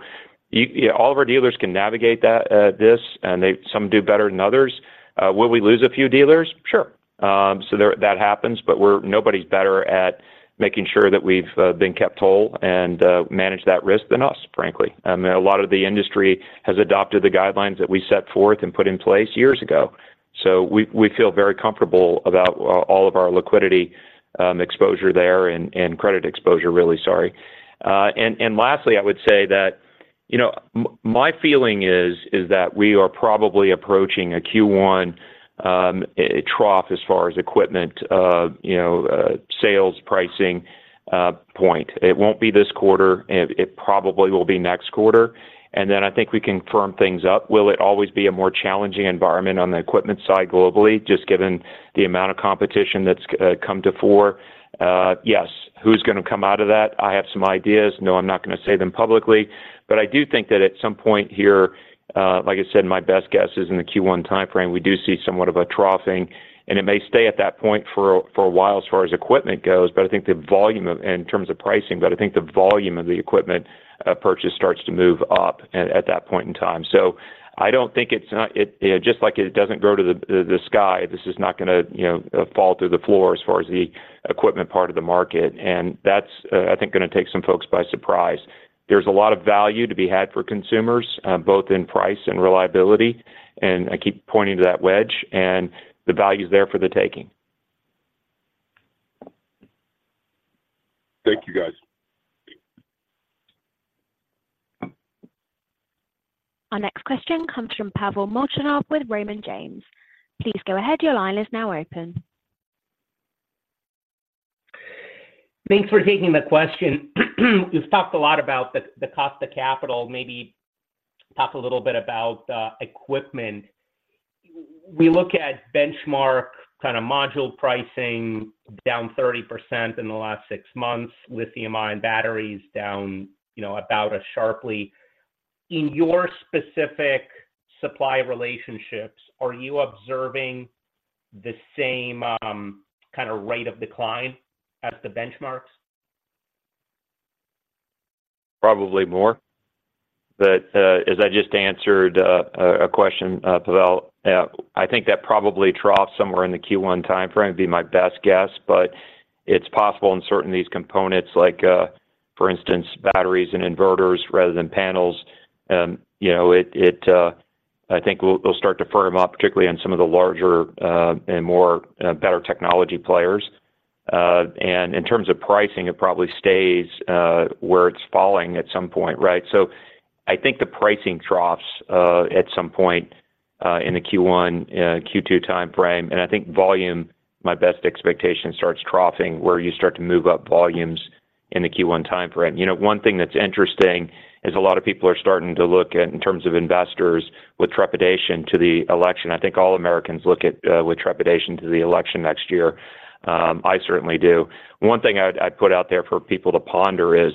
yeah, all of our dealers can navigate that, this, and they, some do better than others. Will we lose a few dealers? Sure. So there, that happens, but we're—nobody's better at making sure that we've been kept whole and manage that risk than us, frankly. I mean, a lot of the industry has adopted the guidelines that we set forth and put in place years ago, so we feel very comfortable about all of our liquidity exposure there and credit exposure, really, sorry. And lastly, I would say that, you know, my feeling is that we are probably approaching a Q1 trough as far as equipment, you know, sales pricing point. It won't be this quarter, and it probably will be next quarter, and then I think we can firm things up. Will it always be a more challenging environment on the equipment side globally, just given the amount of competition that's come to fore? Yes. Who's gonna come out of that? I have some ideas. No, I'm not gonna say them publicly, but I do think that at some point here, like I said, my best guess is in the Q1 timeframe, we do see somewhat of a troughing, and it may stay at that point for a while as far as equipment goes, but I think the volume of the equipment purchase starts to move up at that point in time. So I don't think it's not, you know, just like it doesn't go to the sky. This is not gonna, you know, fall through the floor as far as the equipment part of the market, and that's, I think, gonna take some folks by surprise. There's a lot of value to be had for consumers, both in price and reliability, and I keep pointing to that wedge, and the value's there for the taking. Thank you, guys. Our next question comes from Pavel Molchanov with Raymond James. Please go ahead. Your line is now open. Thanks for taking the question. You've talked a lot about the cost of capital. Maybe talk a little bit about equipment. We look at benchmark kind of module pricing down 30% in the last six months, lithium-ion batteries down, you know, about as sharply. In your specific supply relationships, are you observing the same kind of rate of decline as the benchmarks? Probably more, but, as I just answered, a question, Pavel, I think that probably troughs somewhere in the Q1 timeframe, would be my best guess. But it's possible in certain these components, like, for instance, batteries and inverters rather than panels, you know, it—I think they'll start to firm up, particularly on some of the larger, and more, better technology players. And in terms of pricing, it probably stays, where it's falling at some point, right? So I think the pricing troughs, at some point, in the Q1, Q2 timeframe, and I think volume, my best expectation, starts troughing, where you start to move up volumes in the Q1 timeframe. You know, one thing that's interesting is a lot of people are starting to look at, in terms of investors, with trepidation to the election. I think all Americans look at with trepidation to the election next year. I certainly do. One thing I'd put out there for people to ponder is,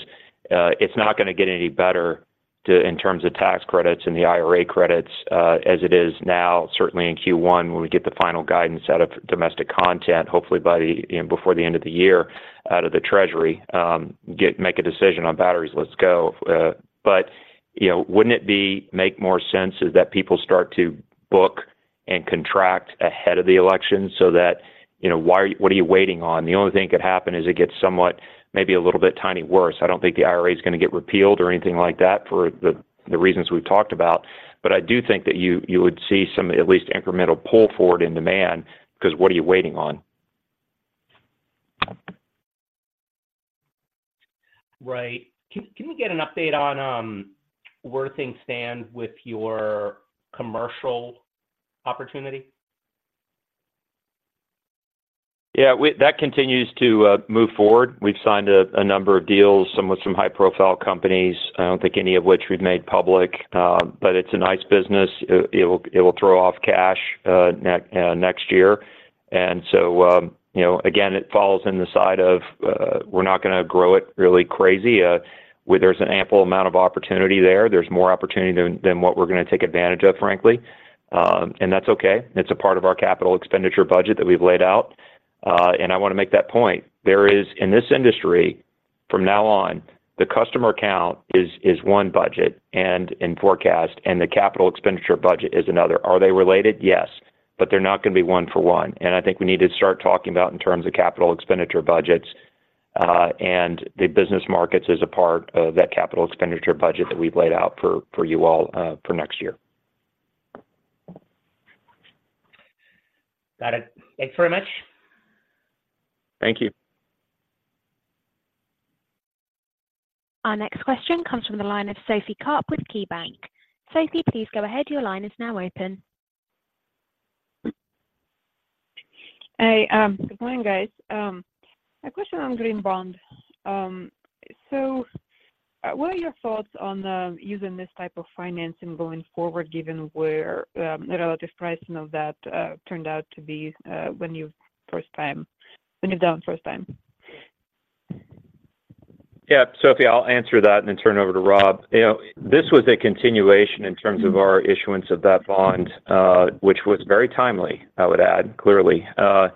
it's not gonna get any better in terms of tax credits and the IRA credits, as it is now, certainly in Q1, when we get the final guidance out of domestic content, hopefully before the end of the year, out of the treasury, make a decision on batteries. Let's go. But, you know, wouldn't it make more sense is that people start to book and contract ahead of the election so that, you know, why, what are you waiting on? The only thing that could happen is it gets somewhat, maybe a little bit tiny worse. I don't think the IRA is gonna get repealed or anything like that for the, the reasons we've talked about, but I do think that you, you would see some at least incremental pull forward in demand, because what are you waiting on? Right. Can we get an update on where things stand with your commercial opportunity? Yeah, that continues to move forward. We've signed a number of deals, some with high-profile companies, I don't think any of which we've made public, but it's a nice business. It will throw off cash next year. And so, you know, again, it falls in the side of, we're not gonna grow it really crazy. Where there's an ample amount of opportunity there, there's more opportunity than what we're gonna take advantage of, frankly, and that's okay. It's a part of our CapEx budget that we've laid out, and I want to make that point. There is, in this industry, from now on, the customer count is one budget and in forecast, and the CapEx budget is another. Are they related? Yes, but they're not gonna be one for one. I think we need to start talking about in terms of CapEx budgets, and the business markets as a part of that CapEx budget that we've laid out for, for you all, for next year. Got it. Thanks very much. Thank you. Our next question comes from the line of Sophie Karp with KeyBanc. Sophie, please go ahead. Your line is now open. Hey, good morning, guys. A question on "Green Bond." So what are your thoughts on using this type of financing going forward, given where the relative pricing of that turned out to be, when you're down first time? Yeah, Sophie, I'll answer that and then turn it over to Rob. You know, this was a continuation in terms of our issuance of that bond, which was very timely, I would add, clearly, of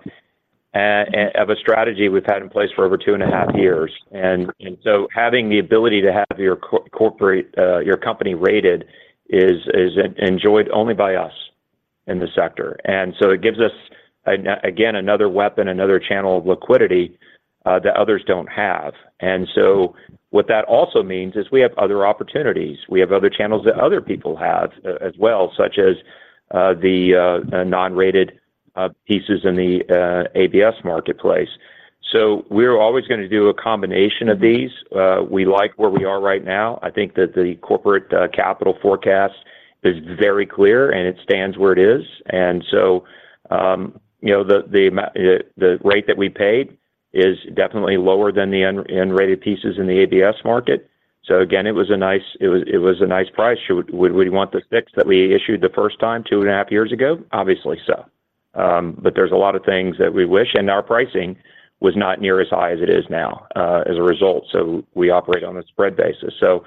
a strategy we've had in place for over two and a half years. And so having the ability to have your corporate, your company rated is enjoyed only by us in the sector. And so it gives us, again, another weapon, another channel of liquidity, that others don't have. And so what that also means is we have other opportunities. We have other channels that other people have as well, such as the non-rated pieces in the ABS marketplace. So we're always going to do a combination of these. We like where we are right now. I think that the corporate capital forecast is very clear, and it stands where it is. And so, you know, the amount, the rate that we paid is definitely lower than the unrated pieces in the ABS market. So again, it was a nice price. Would we want the sticks that we issued the first time, two and a half years ago? Obviously so. But there's a lot of things that we wish, and our pricing was not near as high as it is now, as a result. So we operate on a spread basis. So,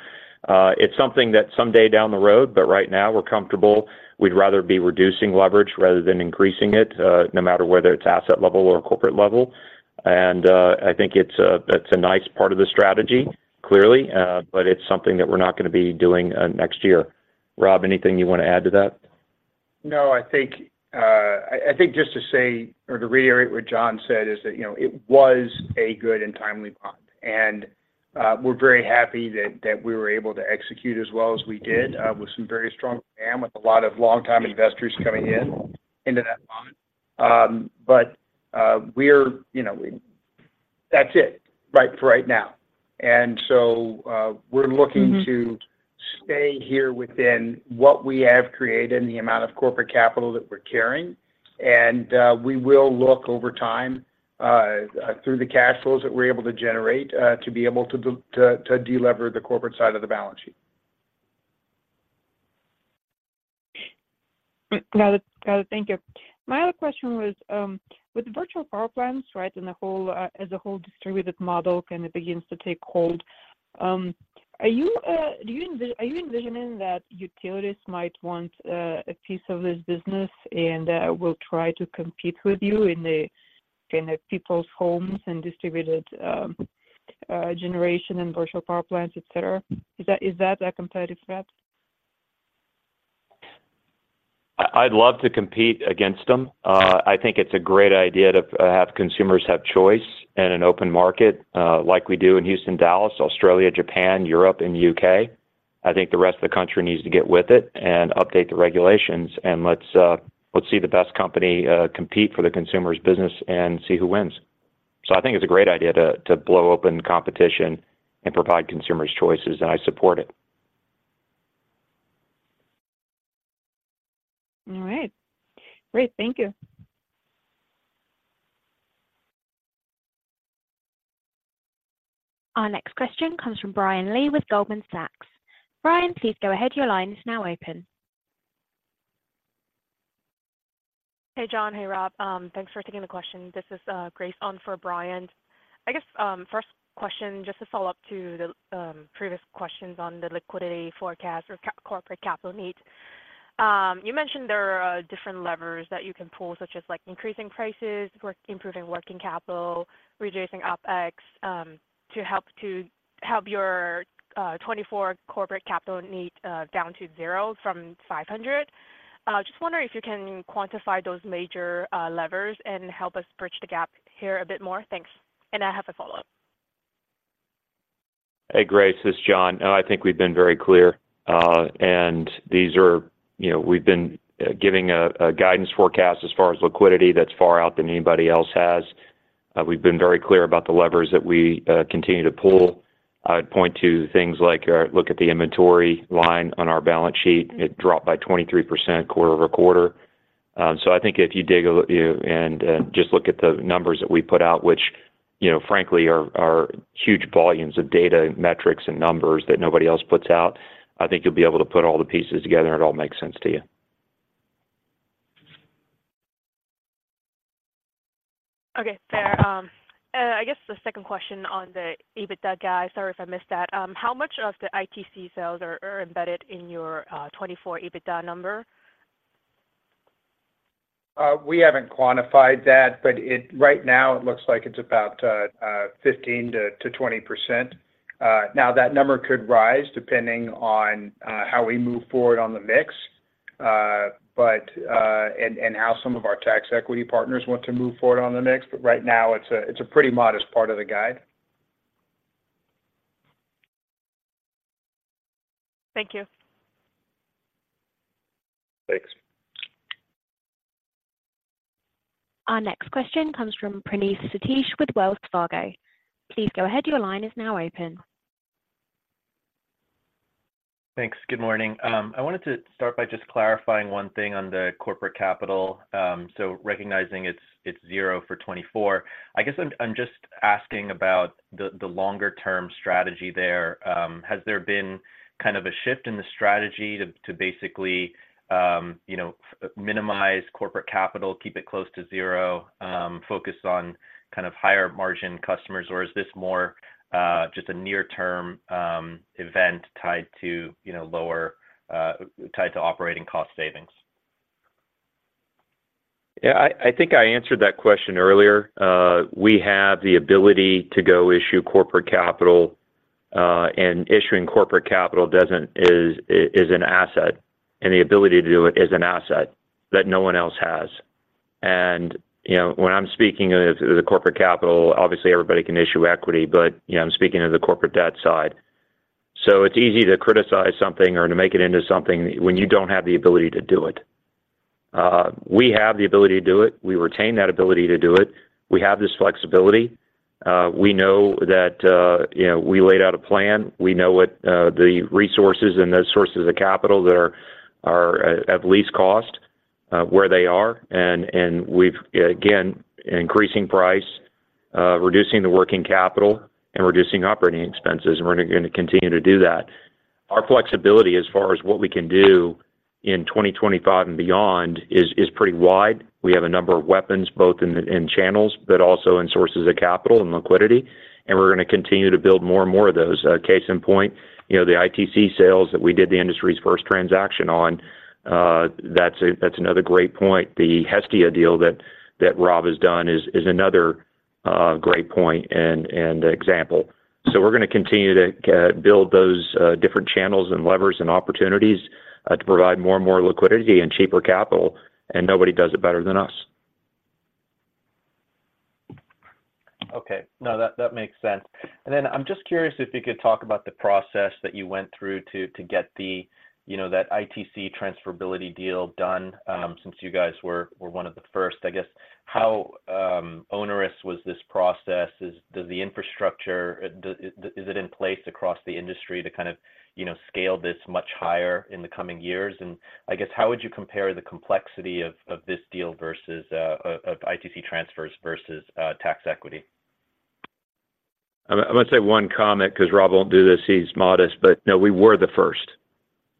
it's something that someday down the road, but right now we're comfortable. We'd rather be reducing leverage rather than increasing it, no matter whether it's asset level or corporate level. I think it's a, it's a nice part of the strategy, clearly, but it's something that we're not going to be doing next year. Rob, anything you want to add to that? No, I think just to say or to reiterate what John said is that, you know, it was a good and timely bond, and we're very happy that we were able to execute as well as we did, with some very strong demand, with a lot of long-time investors coming into that bond. But, you know—that's it, right, for right now. So, we're looking to stay here within what we have created and the amount of corporate capital that we're carrying. And we will look over time, through the cash flows that we're able to generate, to be able to delever the corporate side of the balance sheet. Got it. Got it. Thank you. My other question was with virtual power plants, right, and the whole as a whole distributed model kind of begins to take hold, are you envisioning that utilities might want a piece of this business and will try to compete with you in the kind of people's homes and distributed generation and virtual power plants, et cetera? Is that a competitive threat? I'd love to compete against them. I think it's a great idea to have consumers have choice and an open market, like we do in Houston, Dallas, Australia, Japan, Europe, and the U.K. I think the rest of the country needs to get with it and update the regulations, and let's see the best company compete for the consumers' business and see who wins. So I think it's a great idea to blow open competition and provide consumers choices, and I support it. All right. Great. Thank you. Our next question comes from Brian Lee with Goldman Sachs. Brian, please go ahead. Your line is now open. Hey, John. Hey, Rob. Thanks for taking the question. This is Grace on for Brian. I guess first question, just to follow up to the previous questions on the liquidity forecast or corporate capital needs. You mentioned there are different levers that you can pull, such as like increasing prices, improving working capital, reducing OpEx, to help your 2024 corporate capital need down to $0 from $500. Just wondering if you can quantify those major levers and help us bridge the gap here a bit more. Thanks. And I have a follow-up. Hey, Grace, this is John. I think we've been very clear, and these are, you know, we've been giving a guidance forecast as far as liquidity that's far out than anybody else has. We've been very clear about the levers that we continue to pull. I would point to things like our, look at the inventory line on our balance sheet. It dropped by 23% quarter-over-quarter. So I think if you dig and just look at the numbers that we put out, which, you know, frankly are huge volumes of data and metrics and numbers that nobody else puts out, I think you'll be able to put all the pieces together, and it all makes sense to you. Okay, fair. I guess the second question on the EBITDA guide, sorry if I missed that. How much of the ITC sales are embedded in your 2024 EBITDA number? We haven't quantified that, but right now it looks like it's about 15%-20%. Now, that number could rise depending on how we move forward on the mix and how some of our tax equity partners want to move forward on the mix. But right now, it's a pretty modest part of the guide. Thank you. Thanks. Our next question comes from Praneeth Satish with Wells Fargo. Please go ahead. Your line is now open. Thanks. Good morning. I wanted to start by just clarifying one thing on the corporate capital. So recognizing it's zero for 2024, I guess I'm just asking about the longer-term strategy there. Has there been kind of a shift in the strategy to basically, you know, minimize corporate capital, keep it close to zero, focus on kind of higher-margin customers, or is this more just a near-term event tied to, you know, lower, tied to operating cost savings? Yeah, I think I answered that question earlier. We have the ability to go issue corporate capital, and issuing corporate capital is an asset, and the ability to do it is an asset that no one else has. And, you know, when I'm speaking of the corporate capital, obviously everybody can issue equity, but, you know, I'm speaking of the corporate debt side. So it's easy to criticize something or to make it into something when you don't have the ability to do it. We have the ability to do it. We retain that ability to do it. We have this flexibility. We know that, you know, we laid out a plan. We know what the resources and those sources of capital that are at least cost where they are. And we've again increasing price, reducing the working capital and reducing operating expenses, and we're gonna continue to do that. Our flexibility as far as what we can do in 2025 and beyond is pretty wide. We have a number of weapons, both in channels, but also in sources of capital and liquidity, and we're gonna continue to build more and more of those. Case in point, you know, the ITC sales that we did, the industry's first transaction on, that's another great point. The Hestia deal that Rob has done is another great point and example. So we're gonna continue to build those different channels and levers and opportunities to provide more and more liquidity and cheaper capital, and nobody does it better than us. Okay. No, that, that makes sense. And then I'm just curious if you could talk about the process that you went through to get the, you know, that ITC transferability deal done, since you guys were one of the first. I guess, how onerous was this process? Does the infrastructure, is it in place across the industry to kind of, you know, scale this much higher in the coming years? And I guess, how would you compare the complexity of this deal versus of ITC transfers versus tax equity? I'm gonna say one comment because Rob won't do this. He's modest, but no, we were the first.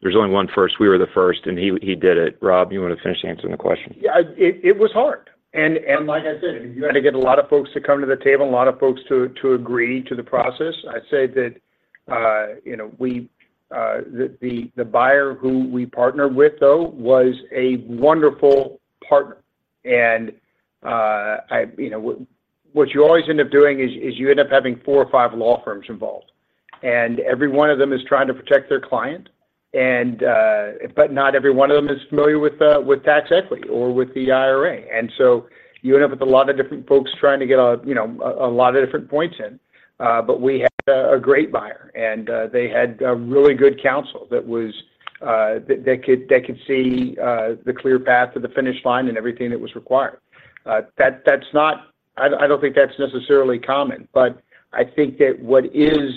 There's only one first. We were the first, and he did it. Rob, you want to finish answering the question? Yeah, it was hard. And like I said, you had to get a lot of folks to come to the table, a lot of folks to agree to the process. I'd say that, you know, we—the buyer who we partnered with, though, was a wonderful partner. And, you know, what you always end up doing is you end up having four or five law firms involved, and every one of them is trying to protect their client, and, but not every one of them is familiar with tax equity or with the IRA. And so you end up with a lot of different folks trying to get a, you know, a lot of different points in, but we had a great buyer, and they had a really good counsel that could see the clear path to the finish line and everything that was required. That's not—I don't think that's necessarily common, but I think that what is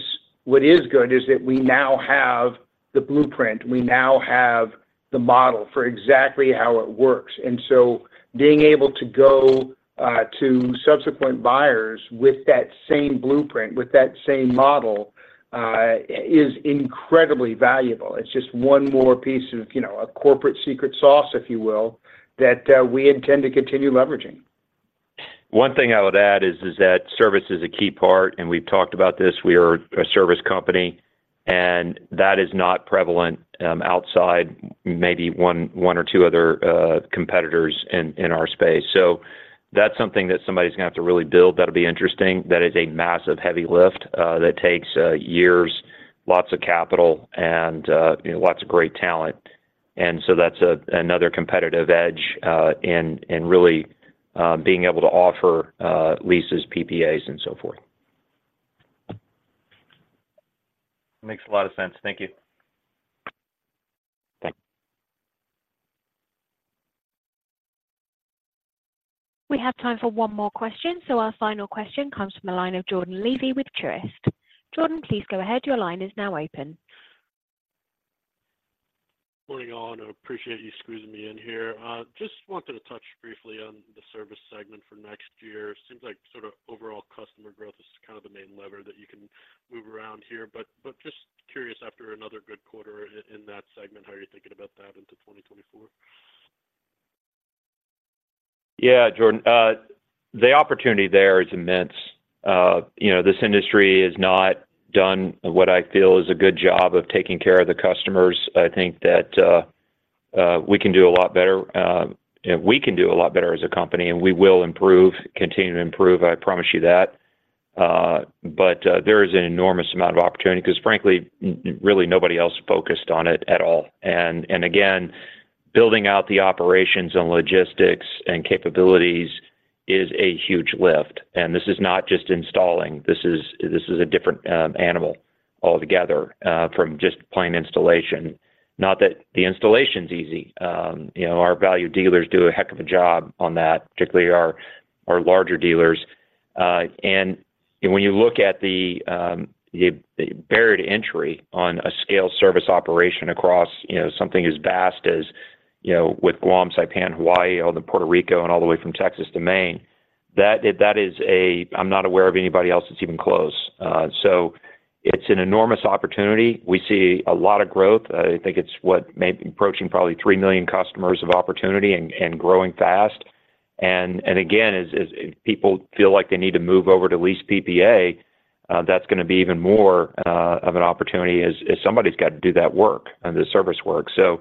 good is that we now have the blueprint. We now have the model for exactly how it works. And so being able to go to subsequent buyers with that same blueprint, with that same model is incredibly valuable. It's just one more piece of, you know, a corporate secret sauce, if you will, that we intend to continue leveraging. One thing I would add is that service is a key part, and we've talked about this. We are a service company, and that is not prevalent outside, maybe one or two other competitors in our space. So that's something that somebody's gonna have to really build. That'll be interesting. That is a massive, heavy lift that takes years, lots of capital and, you know, lots of great talent. And so that's another competitive edge in really being able to offer leases, PPAs, and so forth. Makes a lot of sense. Thank you. Thank you. We have time for one more question. So our final question comes from the line of Jordan Levy with Truist. Jordan, please go ahead. Your line is now open. Good morning, all, and I appreciate you squeezing me in here. Just wanted to touch briefly on the service segment for next year. Seems like sort of overall customer growth is kind of the main lever that you can move around here, but just curious, after another good quarter in that segment, how are you thinking about that into 2024? Yeah, Jordan, the opportunity there is immense. You know, this industry has not done what I feel is a good job of taking care of the customers. I think that, we can do a lot better, and we can do a lot better as a company, and we will improve, continue to improve, I promise you that. But, there is an enormous amount of opportunity because, frankly, really nobody else focused on it at all. And again, building out the operations and logistics and capabilities is a huge lift, and this is not just installing. This is, this is a different animal altogether, from just plain installation. Not that the installation's easy. You know, our value dealers do a heck of a job on that, particularly our larger dealers. And when you look at the barrier to entry on a scale service operation across, you know, something as vast as, you know, with Guam, Saipan, Hawaii, all the Puerto Rico, and all the way from Texas to Maine, that is a—I'm not aware of anybody else that's even close. So it's an enormous opportunity. We see a lot of growth. I think it's what? Maybe approaching probably 3 million customers of opportunity and growing fast. And again, as people feel like they need to move over to lease PPA, that's gonna be even more of an opportunity as somebody's got to do that work and the service work. So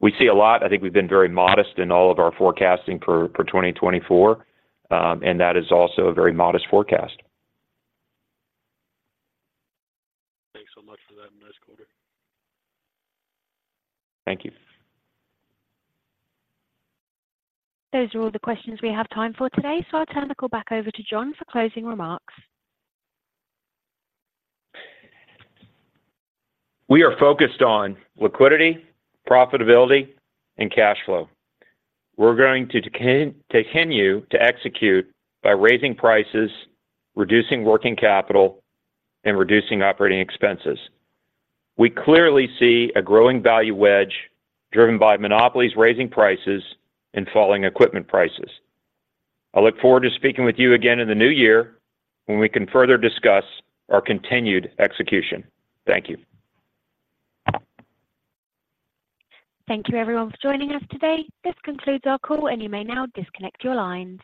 we see a lot. I think we've been very modest in all of our forecasting for 2024, and that is also a very modest forecast. Thanks so much for that. Nice quarter. Thank you. Those are all the questions we have time for today, so I'll turn the call back over to John for closing remarks. We are focused on liquidity, profitability, and cash flow. We're going to continue to execute by raising prices, reducing working capital, and reducing operating expenses. We clearly see a growing value wedge driven by monopolies, raising prices and falling equipment prices. I look forward to speaking with you again in the new year when we can further discuss our continued execution. Thank you. Thank you, everyone, for joining us today. This concludes our call, and you may now disconnect your lines.